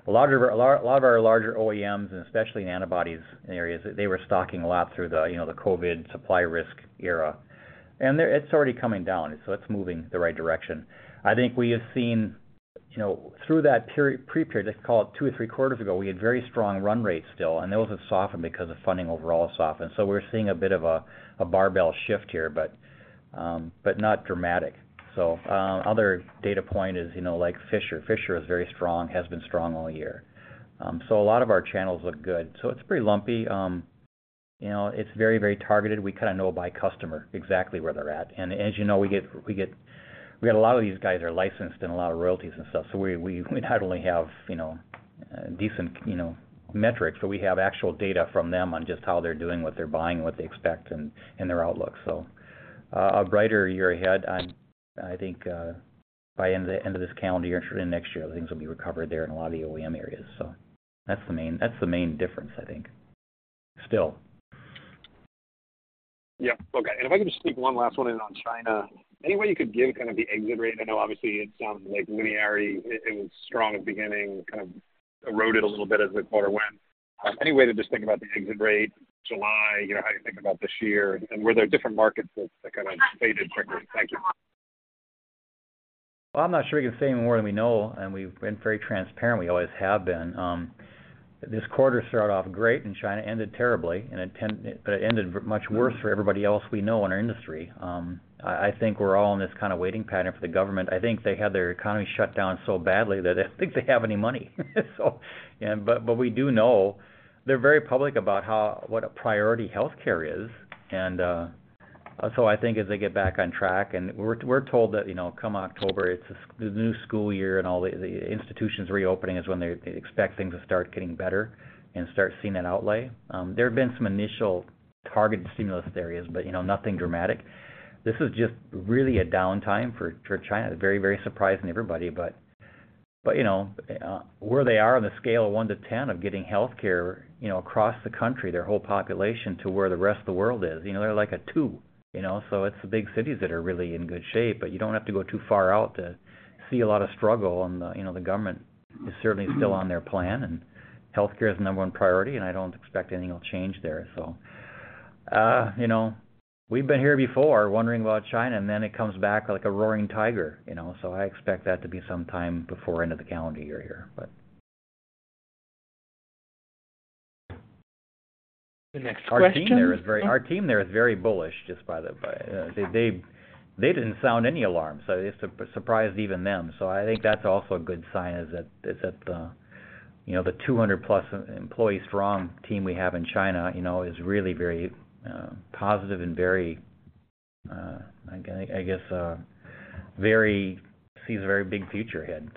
A lot of our larger OEMs, and especially in antibodies areas, they were stocking a lot through the, you know, the COVID supply risk era. It's already coming down, so it's moving the right direction. I think we have seen, you know, through that period, pre-period, let's call it two or three quarters ago, we had very strong run rates still, and those have softened because the funding overall softened. We're seeing a bit of a, a barbell shift here, but not dramatic. Other data point is, you know, like Fisher. Fisher is very strong, has been strong all year. So a lot of our channels look good, so it's pretty lumpy. You know, it's very, very targeted. We kinda know by customer exactly where they're at. And as you know, we get, we got a lot of these guys are licensed in a lot of royalties and stuff, so we, we not only have, you know, decent, you know, metrics, but we have actual data from them on just how they're doing, what they're buying, what they expect, and, and their outlook. So a brighter year ahead. I'm, I think, by end of, end of this calendar year and next year, things will be recovered there in a lot of the OEM areas. So that's the main, that's the main difference, I think, still. Yeah. Okay, if I could just sneak one last one in on China. Any way you could give kind of the exit rate? I know obviously it's, like linearity. It, it was strong at the beginning, kind of eroded a little bit as the quarter went. Any way to just think about the exit rate, July, you know, how you think about this year, and were there different markets that kind of faded quicker? Thank you. I'm not sure we can say any more than we know, and we've been very transparent. We always have been. This quarter started off great in China, ended terribly, but it ended much worse for everybody else we know in our industry. I, I think we're all in this kind of waiting pattern for the government. I think they had their economy shut down so badly that I don't think they have any money. We do know they're very public about how, what a priority healthcare is, and... I think as they get back on track, and we're, we're told that, you know, come October, it's the, the new school year and all the, the institutions reopening is when they, they expect things to start getting better and start seeing that outlay. There have been some initial targeted stimulus areas, but nothing dramatic. This is just really a downtime for China. Very, very surprising to everybody. Where they are on the scale of one to 10 of getting healthcare, across the country, their whole population, to where the rest of the world is, they're like a two. It's the big cities that are really in good shape, but you don't have to go too far out to see a lot of struggle. The government is certainly still on their plan, and healthcare is the number one priority, and I don't expect anything will change there. We've been here before, wondering about China, and then it comes back like a roaring tiger. I expect that to be some time before end of the calendar year here, but. The next question- Our team there is very-- our team there is very bullish, just by the by. They, they, they didn't sound any alarms. It surprised even them. I think that's also a good sign, is that, is that the, you know, the 200+ employee-strong team we have in China, you know, is really very positive and very, I guess, very, sees a very big future ahead,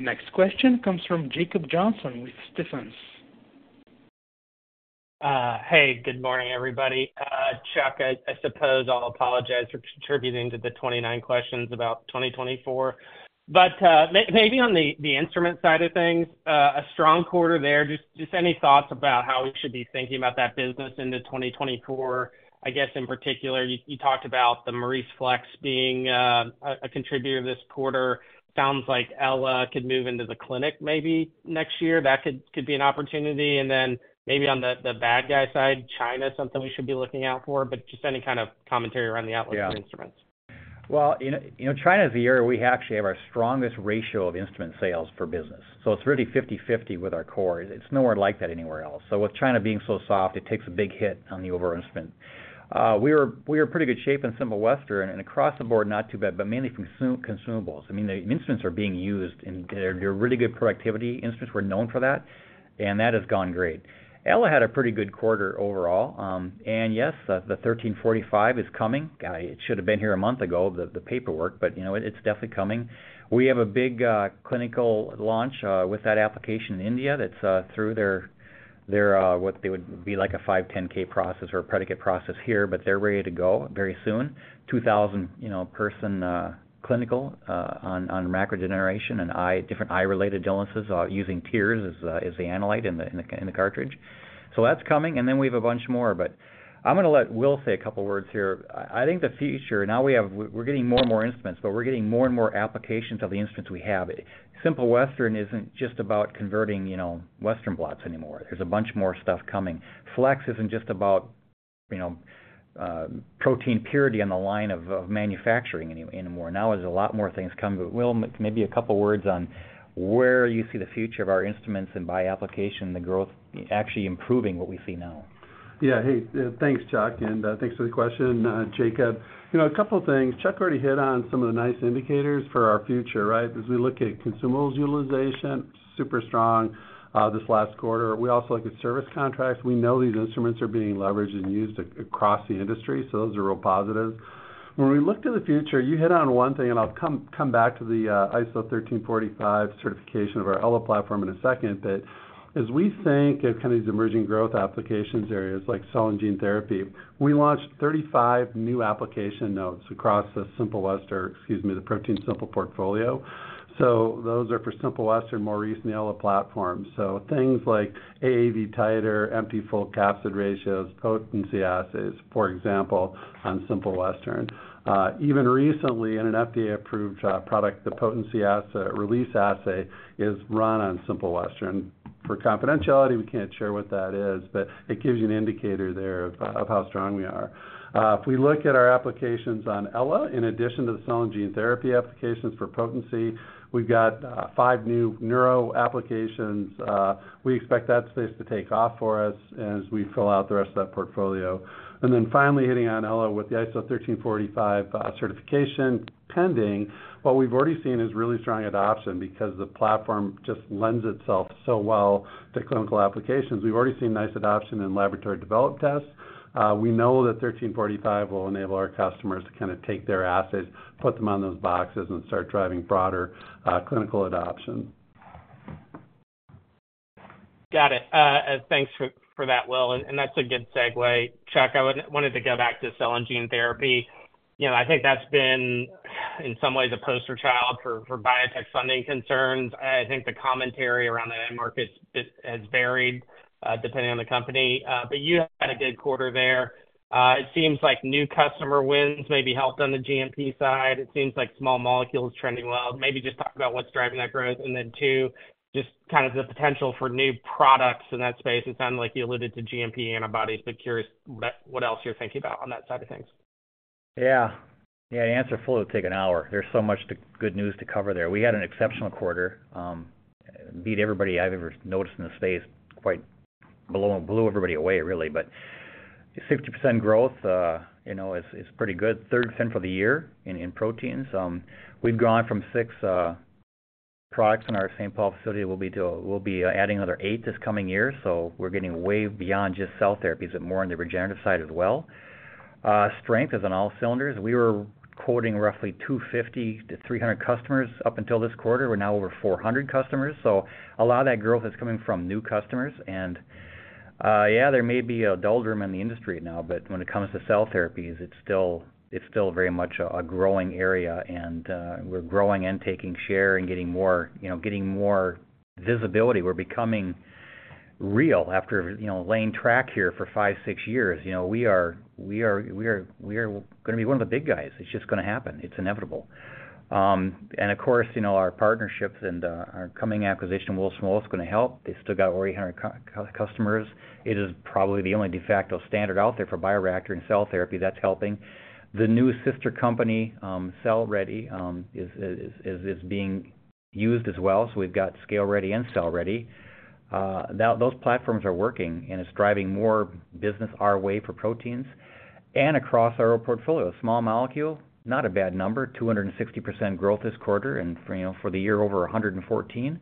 so. Next question comes from Jacob Johnson with Stephens. Hey, good morning, everybody. Charles Kummeth, I, I suppose I'll apologize for contributing to the 29 questions about 2024. But maybe on the, the instrument side of things, a strong quarter there. Just, just any thoughts about how we should be thinking about that business into 2024? I guess, in particular, you, you talked about the MauriceFlex being a, a contributor this quarter. Sounds like Ella could move into the clinic maybe next year. That could, could be an opportunity. And then maybe on the, the bad guy side, China, something we should be looking out for. But just any kind of commentary around the outlook for instruments. Yeah. Well, you know, you know, China is the area we actually have our strongest ratio of instrument sales for business. It's really 50/50 with our core. It's nowhere like that anywhere else. With China being so soft, it takes a big hit on the overall instrument. We are, we are in pretty good shape in Simple Western, and across the board, not too bad, but mainly from consumables. I mean, the instruments are being used, and they're, they're really good productivity. Instruments were known for that, and that has gone great. Ella had a pretty good quarter overall. Yes, the, the 13485 is coming. It should have been here a month ago, the, the paperwork, but, you know, it's definitely coming. We have a big clinical launch with that application in India that's through their, their, what they would be like a 510(k) process or a predicate process here. They're ready to go very soon. 2,000, you know, person clinical on macular degeneration and eye, different eye-related illnesses, using tears as the, as the analyte in the cartridge. That's coming. We have a bunch more. I'm gonna let Will say a couple of words here. I think the future... Now we're getting more and more instruments. We're getting more and more applications of the instruments we have. Simple Western isn't just about converting, you know, Western blots anymore. There's a bunch more stuff coming. Flex isn't just about, you know, protein purity in the line of manufacturing anymore. Now, there's a lot more things coming, but Will, maybe a couple words on where you see the future of our instruments and by application, the growth actually improving what we see now. Yeah. Hey, thanks, Chuck, and thanks for the question, Jacob. You know, a couple of things. Chuck already hit on some of the nice indicators for our future, right? As we look at consumables utilization, super strong this last quarter. We also look at service contracts. We know these instruments are being leveraged and used across the industry, so those are real positives. When we look to the future, you hit on one thing, and I'll come, come back to the ISO 1345 certification of our Ella platform in a second. As we think of kind of these emerging growth applications areas like cell and gene therapy, we launched 35 new application notes across the Simple Western, excuse me, the ProteinSimple portfolio. Those are for Simple Western, Maurice, and the Ella platform. Things like AAV titer, empty/full capsid ratios, potency assays, for example, on Simple Western. Even recently, in an FDA-approved product, the potency assay, release assay is run on Simple Western. For confidentiality, we can't share what that is, but it gives you an indicator there of how strong we are. If we look at our applications on Ella, in addition to the cell and gene therapy applications for potency, we've got five new neuro applications. We expect that space to take off for us as we fill out the rest of that portfolio. Finally, hitting on Ella with the ISO 13485 certification pending. What we've already seen is really strong adoption because the platform just lends itself so well to clinical applications. We've already seen nice adoption in laboratory developed tests. We know that 1345 will enable our customers to kind of take their assays, put them on those boxes, and start driving broader clinical adoption. Got it. thanks for, for that, Will, that's a good segue. Chuck, I wanted to go back to cell and gene therapy. You know, I think that's been, in some ways, a poster child for, for biotech funding concerns. I think the commentary around the end market is, has varied, depending on the company. You had a good quarter there. It seems like new customer wins may be helped on the GMP side. It seems like small molecule is trending well. Maybe just talk about what's driving that growth, and then two, just kind of the potential for new products in that space. It sounded like you alluded to GMP antibodies, but curious what, what else you're thinking about on that side of things? Yeah. Yeah, the answer fully would take an hour. There's so much good news to cover there. We had an exceptional quarter, beat everybody I've ever noticed in the space, quite blew, blew everybody away, really. 50% growth, you know, is pretty good. 30% for the year in proteins. We've gone from six products in our St. Paul facility. We'll be adding another eight this coming year, so we're getting way beyond just cell therapies and more on the regenerative side as well. Strength is on all cylinders. We were quoting roughly 250-300 customers up until this quarter. We're now over 400 customers, so a lot of that growth is coming from new customers. Yeah, there may be a doldrum in the industry now, but when it comes to cell therapies, it's still very much a growing area, and we're growing and taking share and getting more, you know, getting more visibility. We're becoming real after, you know, laying track here for five, six years. You know, we are, we are, we are, we are gonna be one of the big guys. It's just gonna happen. It's inevitable. And of course, you know, our partnerships and our coming acquisition, Wilson Wolf, is gonna help. They still got over 800 customers. It is probably the only de facto standard out there for bioreactor and cell therapy. That's helping. The new sister company, Cell Ready, is being used as well, so we've got ScaleReady and Cell Ready. Those platforms are working, and it's driving more business our way for proteins and across our portfolio. Small molecule, not a bad number, 260% growth this quarter, and, you know, for the year, over 114.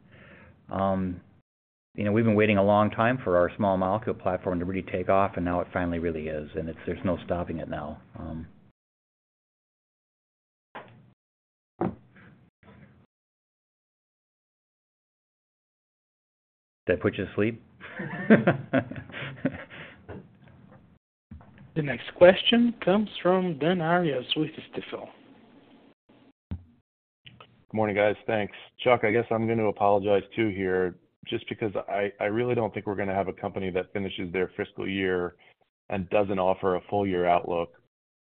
You know, we've been waiting a long time for our small molecule platform to really take off, and now it finally really is, and there's no stopping it now. Did I put you to sleep? The next question comes from Dan Arias with Stifel. Good morning, guys. Thanks. Chuck, I guess I'm going to apologize, too, here, just because I really don't think we're gonna have a company that finishes their fiscal year and doesn't offer a full year outlook,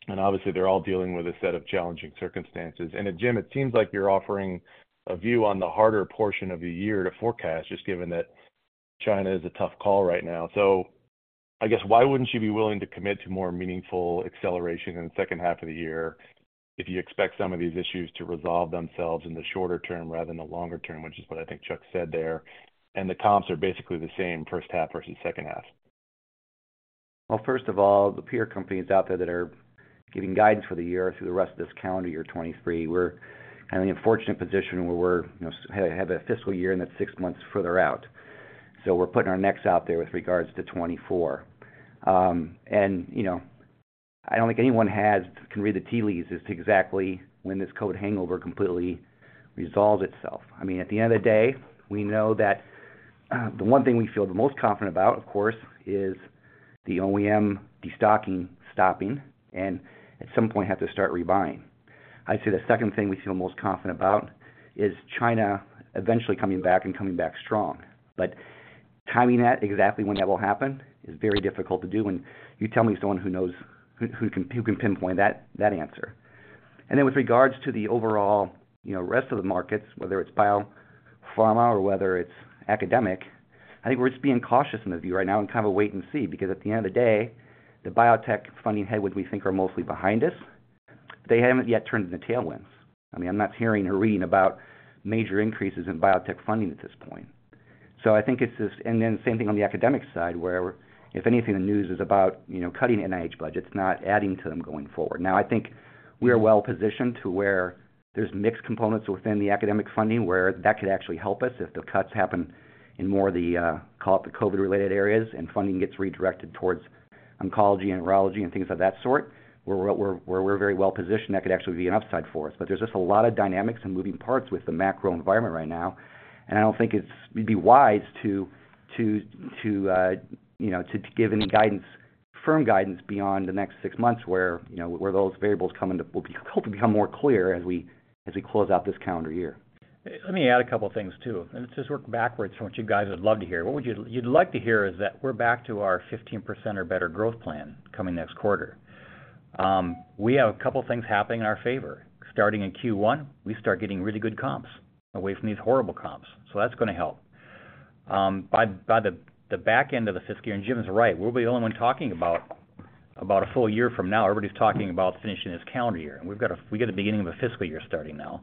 and obviously, they're all dealing with a set of challenging circumstances. Then, Jim, it seems like you're offering a view on the harder portion of the year to forecast, just given that China is a tough call right now. I guess, why wouldn't you be willing to commit to more meaningful acceleration in the second half of the year if you expect some of these issues to resolve themselves in the shorter term rather than the longer term, which is what I think Chuck said there, and the comps are basically the same first half versus second half? Well, first of all, the peer companies out there that are giving guidance for the year through the rest of this calendar year 2023, we're in the unfortunate position where we're, you know, have a fiscal year and that's six months further out. We're putting our necks out there with regards to 2024. You know, I don't think anyone can read the tea leaves as to exactly when this COVID hangover completely resolves itself. I mean, at the end of the day, we know that, the one thing we feel the most confident about, of course, is the OEM destocking stopping, and at some point, have to start rebuying. I'd say the second thing we feel most confident about is China eventually coming back and coming back strong. Timing that, exactly when that will happen, is very difficult to do, and you tell me someone who knows who can pinpoint that, that answer. Then with regards to the overall, you know, rest of the markets, whether it's biopharma or whether it's academic, I think we're just being cautious in the view right now and kind of wait and see, because at the end of the day, the biotech funding headwinds what we think are mostly behind us, they haven't yet turned into tailwinds. I mean, I'm not hearing or reading about major increases in biotech funding at this point. I think it's just and then same thing on the academic side, where if anything, the news is about, you know, cutting NIH budgets, not adding to them going forward. I think we are well-positioned to where there's mixed components within the academic funding, where that could actually help us if the cuts happen in more of the call it the COVID-related areas, and funding gets redirected towards oncology and neurology and things of that sort, where we're, where we're very well positioned, that could actually be an upside for us. There's just a lot of dynamics and moving parts with the macro environment right now, and I don't think it'd be wise to, you know, to give any guidance, firm guidance beyond the next six months where, you know, where those variables come into will be, hopefully, become more clear as we, as we close out this calendar year. Let me add a couple of things, too. Let's just work backwards from what you guys would love to hear. What would you'd like to hear is that we're back to our 15% or better growth plan coming next quarter. We have a couple of things happening in our favor. Starting in Q1, we start getting really good comps away from these horrible comps. That's gonna help. By the back end of the fiscal year, Jim is right, we'll be the only one talking about a full year from now. Everybody's talking about finishing this calendar year. We've got the beginning of a fiscal year starting now.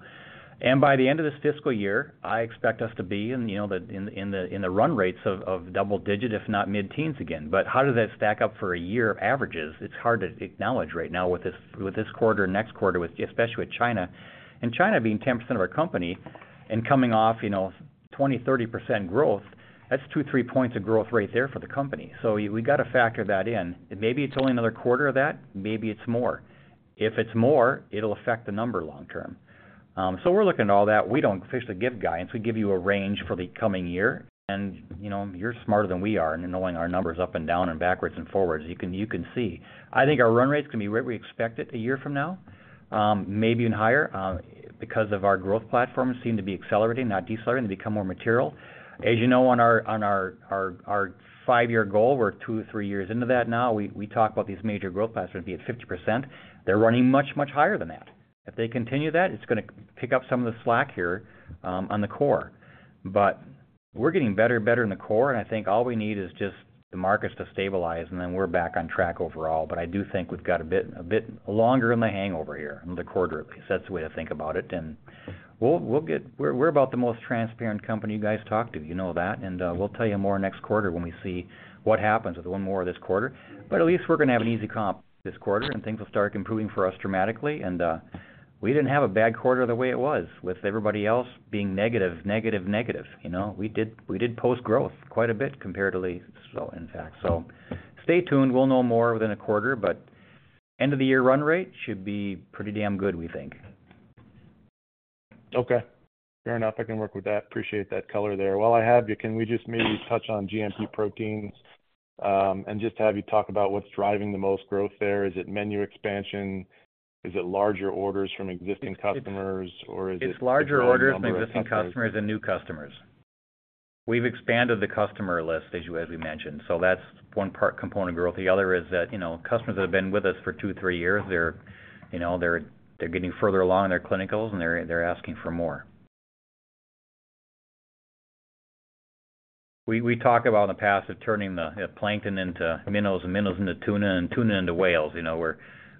By the end of this fiscal year, I expect us to be in, you know, the run rates of double digit, if not mid-teens again. How does that stack up for a year of averages? It's hard to acknowledge right now with this, with this quarter and next quarter, with, especially with China. China being 10% of our company and coming off, you know, 20%, 30% growth, that's 2, 3 points of growth right there for the company. We got to factor that in. Maybe it's only another quarter of that, maybe it's more. If it's more, it'll affect the number long term. We're looking at all that. We don't officially give guidance. We give you a range for the coming year, and, you know, you're smarter than we are, in knowing our numbers up and down and backwards and forwards, you can, you can see. I think our run rates can be where we expect it a year from now, maybe even higher, because of our growth platforms seem to be accelerating, not decelerating, and become more material. As you know, on our, on our, our, our five-year goal, we're two, three years into that now. We, we talk about these major growth platforms would be at 50%. They're running much, much higher than that. If they continue that, it's gonna pick up some of the slack here, on the core. We're getting better and better in the core, and I think all we need is just the markets to stabilize, and then we're back on track overall. I do think we've got a bit, a bit longer in the hangover here in the quarter, at least. That's the way to think about it, and we're about the most transparent company you guys talk to, you know that, and we'll tell you more next quarter when we see what happens with one more of this quarter. At least we're gonna have an easy comp this quarter, and things will start improving for us dramatically. We didn't have a bad quarter the way it was, with everybody else being negative, negative, negative. You know, we did, we did post growth quite a bit comparatively so, in fact. Stay tuned. We'll know more within a quarter, but end of the year run rate should be pretty damn good, we think. Okay, fair enough. I can work with that. Appreciate that color there. While I have you, can we just maybe touch on GMP proteins, and just have you talk about what's driving the most growth there? Is it menu expansion? Is it larger orders from existing customers, or is it- It's larger orders from existing customers and new customers. We've expanded the customer list, as we mentioned, that's one part component of growth. The other is that, you know, customers that have been with us for two, three years, they're, you know, they're getting further along in their clinicals, and they're asking for more. We, we talked about in the past of turning the plankton into minnows, and minnows into tuna, and tuna into whales. You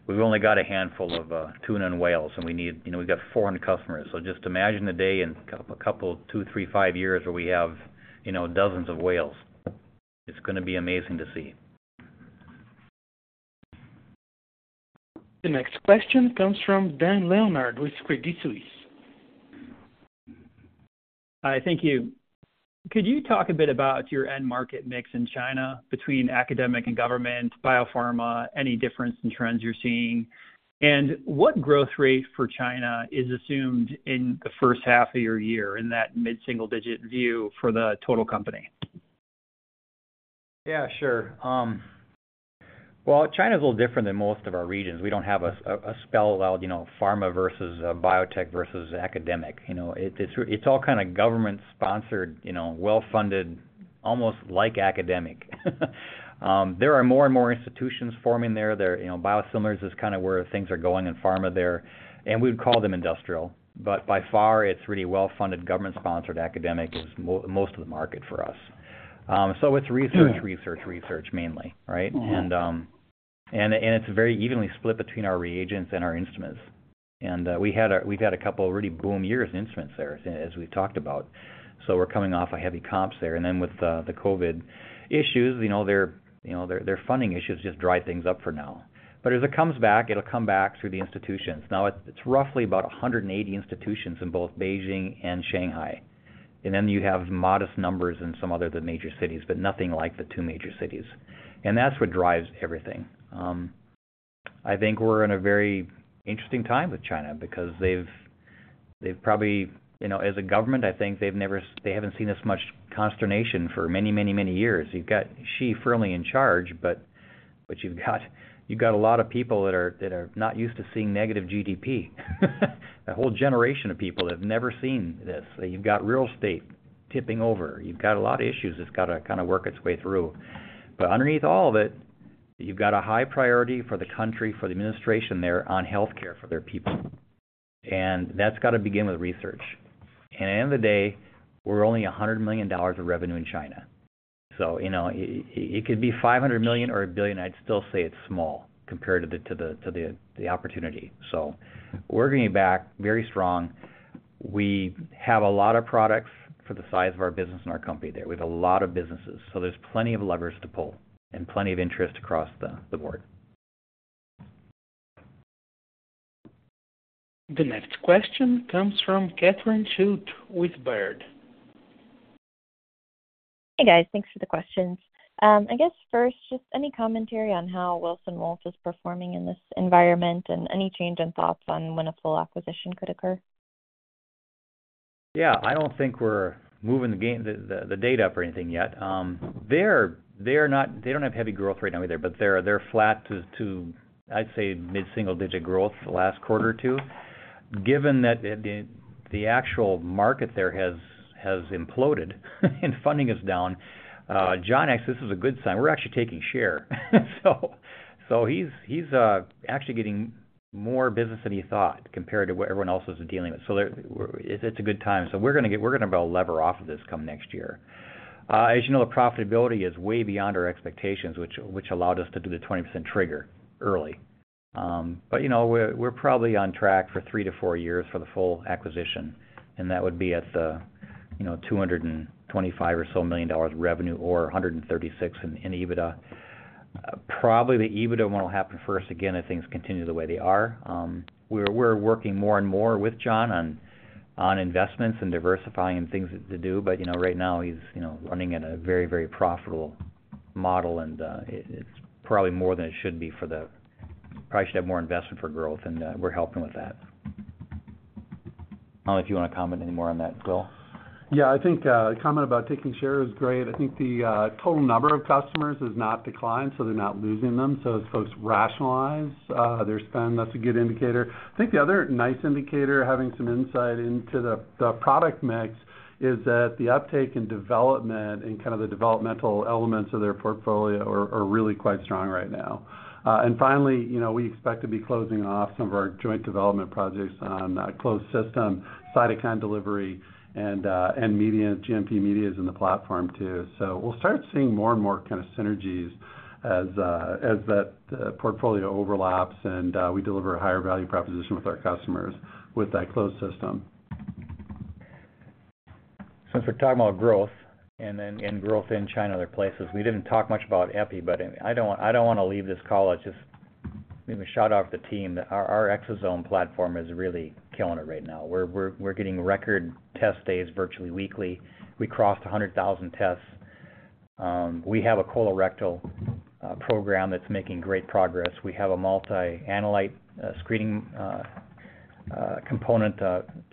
know, we've only got a handful of tuna and whales, and we need... You know, we've got 400 customers. Just imagine a day in a couple, two, three, five years where we have, you know, dozens of whales. It's gonna be amazing to see. The next question comes from Dan Leonard with Credit Suisse. Hi, thank you. Could you talk a bit about your end market mix in China between academic and government, biopharma, any difference in trends you're seeing? What growth rate for China is assumed in the first half of your year, in that mid-single digit view for the total company? Yeah, sure. Well, China's a little different than most of our regions. We don't have a, a spell-out, you know, pharma versus, biotech versus academic. You know, it, it's, it's all kind of government-sponsored, you know, well-funded, almost like academic. There are more and more institutions forming there. There, you know, biosimilars is kind of where things are going in pharma there, and we would call them industrial. By far, it's really well-funded, government-sponsored academic is most of the market for us. It's research, research, research, mainly, right? Mm-hmm. It's very evenly split between our reagents and our instruments. We've had a couple of really boom years in instruments there, as, as we've talked about, so we're coming off of heavy comps there. Then with the, the COVID issues, you know, their, their funding issues just dry things up for now. As it comes back, it'll come back through the institutions. Now, it's, it's roughly about 180 institutions in both Beijing and Shanghai. Then you have modest numbers in some other of the major cities, but nothing like the two major cities. That's what drives everything. I think we're in a very interesting time with China because they've, they've probably... You know, as a government, I think they've never they haven't seen this much consternation for many, many, many years. You've got Xi firmly in charge, but, you've got, you've got a lot of people that are, that are not used to seeing negative GDP. A whole generation of people that have never seen this. You've got real estate tipping over. You've got a lot of issues that's gotta kind of work its way through. Underneath all of it, you've got a high priority for the country, for the administration there on healthcare for their people, and that's got to begin with research. At the end of the day, we're only $100 million of revenue in China, so you know, it, it could be $500 million or $1 billion, I'd still say it's small compared to the, to the, to the, the opportunity We're getting back very strong. We have a lot of products for the size of our business and our company there. We have a lot of businesses, so there's plenty of levers to pull and plenty of interest across the board. The next question comes from Catherine Schulte with Baird. Hey, guys. Thanks for the questions. I guess first, just any commentary on how Wilson Wolf is performing in this environment, any change in thoughts on when a full acquisition could occur? Yeah. I don't think we're moving the game, the date up or anything yet. They're not. They don't have heavy growth right now either, but they're flat to, to, I'd say, mid-single-digit growth the last quarter or Q2. Given that the actual market there has, has imploded, and funding is down, John Wilson, this is a good sign. We're actually taking share. He's actually getting more business than he thought compared to what everyone else is dealing with. There, it's a good time. We're gonna lever off of this come next year. As you know, the profitability is way beyond our expectations, which allowed us to do the 20% trigger early. You know, we're, we're probably on track for three to four years for the full acquisition, and that would be at the, you know, $225 million or so of revenue, or $136 in EBITDA. Probably the EBITDA one will happen first again, if things continue the way they are. We're, we're working more and more with John on, on investments and diversifying things to do, but, you know, right now he's, you know, running at a very, very profitable model, and it's probably more than it should be. Probably should have more investment for growth, and we're helping with that. I don't know if you want to comment any more on that, Will. Yeah, I think the comment about taking share is great. I think the, total number of customers has not declined, so they're not losing them. As folks rationalize their spend, that's a good indicator. I think the other nice indicator, having some insight into the, the product mix, is that the uptake in development and kind of the developmental elements of their portfolio are, are really quite strong right now. And finally, you know, we expect to be closing off some of our joint development projects on that closed system, cytokine delivery, and media, GMP media is in the platform too. We'll start seeing more and more kind of synergies as that portfolio overlaps, and we deliver a higher value proposition with our customers with that closed system. Since we're talking about growth and then, and growth in China and other places, we didn't talk much about Epi, but I don't, I don't wanna leave this call. I just give a shout-out to the team that our, our exosome platform is really killing it right now. We're, we're, we're getting record test days virtually weekly. We crossed 100,000 tests. We have a colorectal program that's making great progress. We have a multi-analyte screening component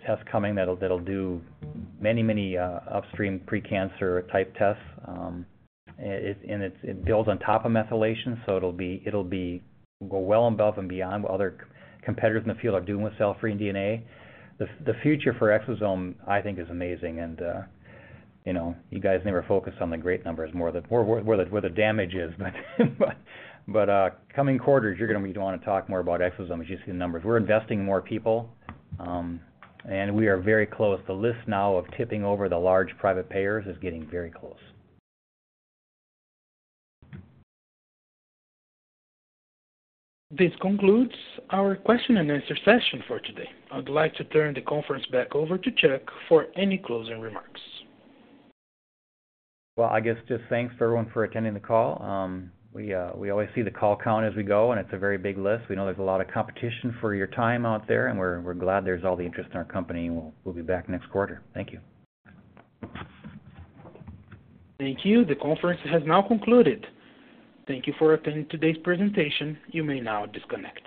test coming that'll, that'll do many, many upstream pre-cancer type tests. It, and it's, it builds on top of methylation, so it'll be, it'll be go well above and beyond what other competitors in the field are doing with cell-free DNA. The future for exosome, I think, is amazing, and, you know, you guys never focus on the great numbers more than where the, where the damage is. Coming quarters, you're gonna be wanting to talk more about exosome as you see the numbers. We're investing in more people, and we are very close. The list now of tipping over the large private payers is getting very close. This concludes our question and answer session for today. I'd like to turn the conference back over to Chuck Kummeth for any closing remarks. Well, I guess just thanks for everyone for attending the call. We always see the call count as we go, and it's a very big list. We know there's a lot of competition for your time out there, and we're, we're glad there's all the interest in our company, and we'll, we'll be back next quarter. Thank you. Thank you. The conference has now concluded. Thank you for attending today's presentation. You may now disconnect.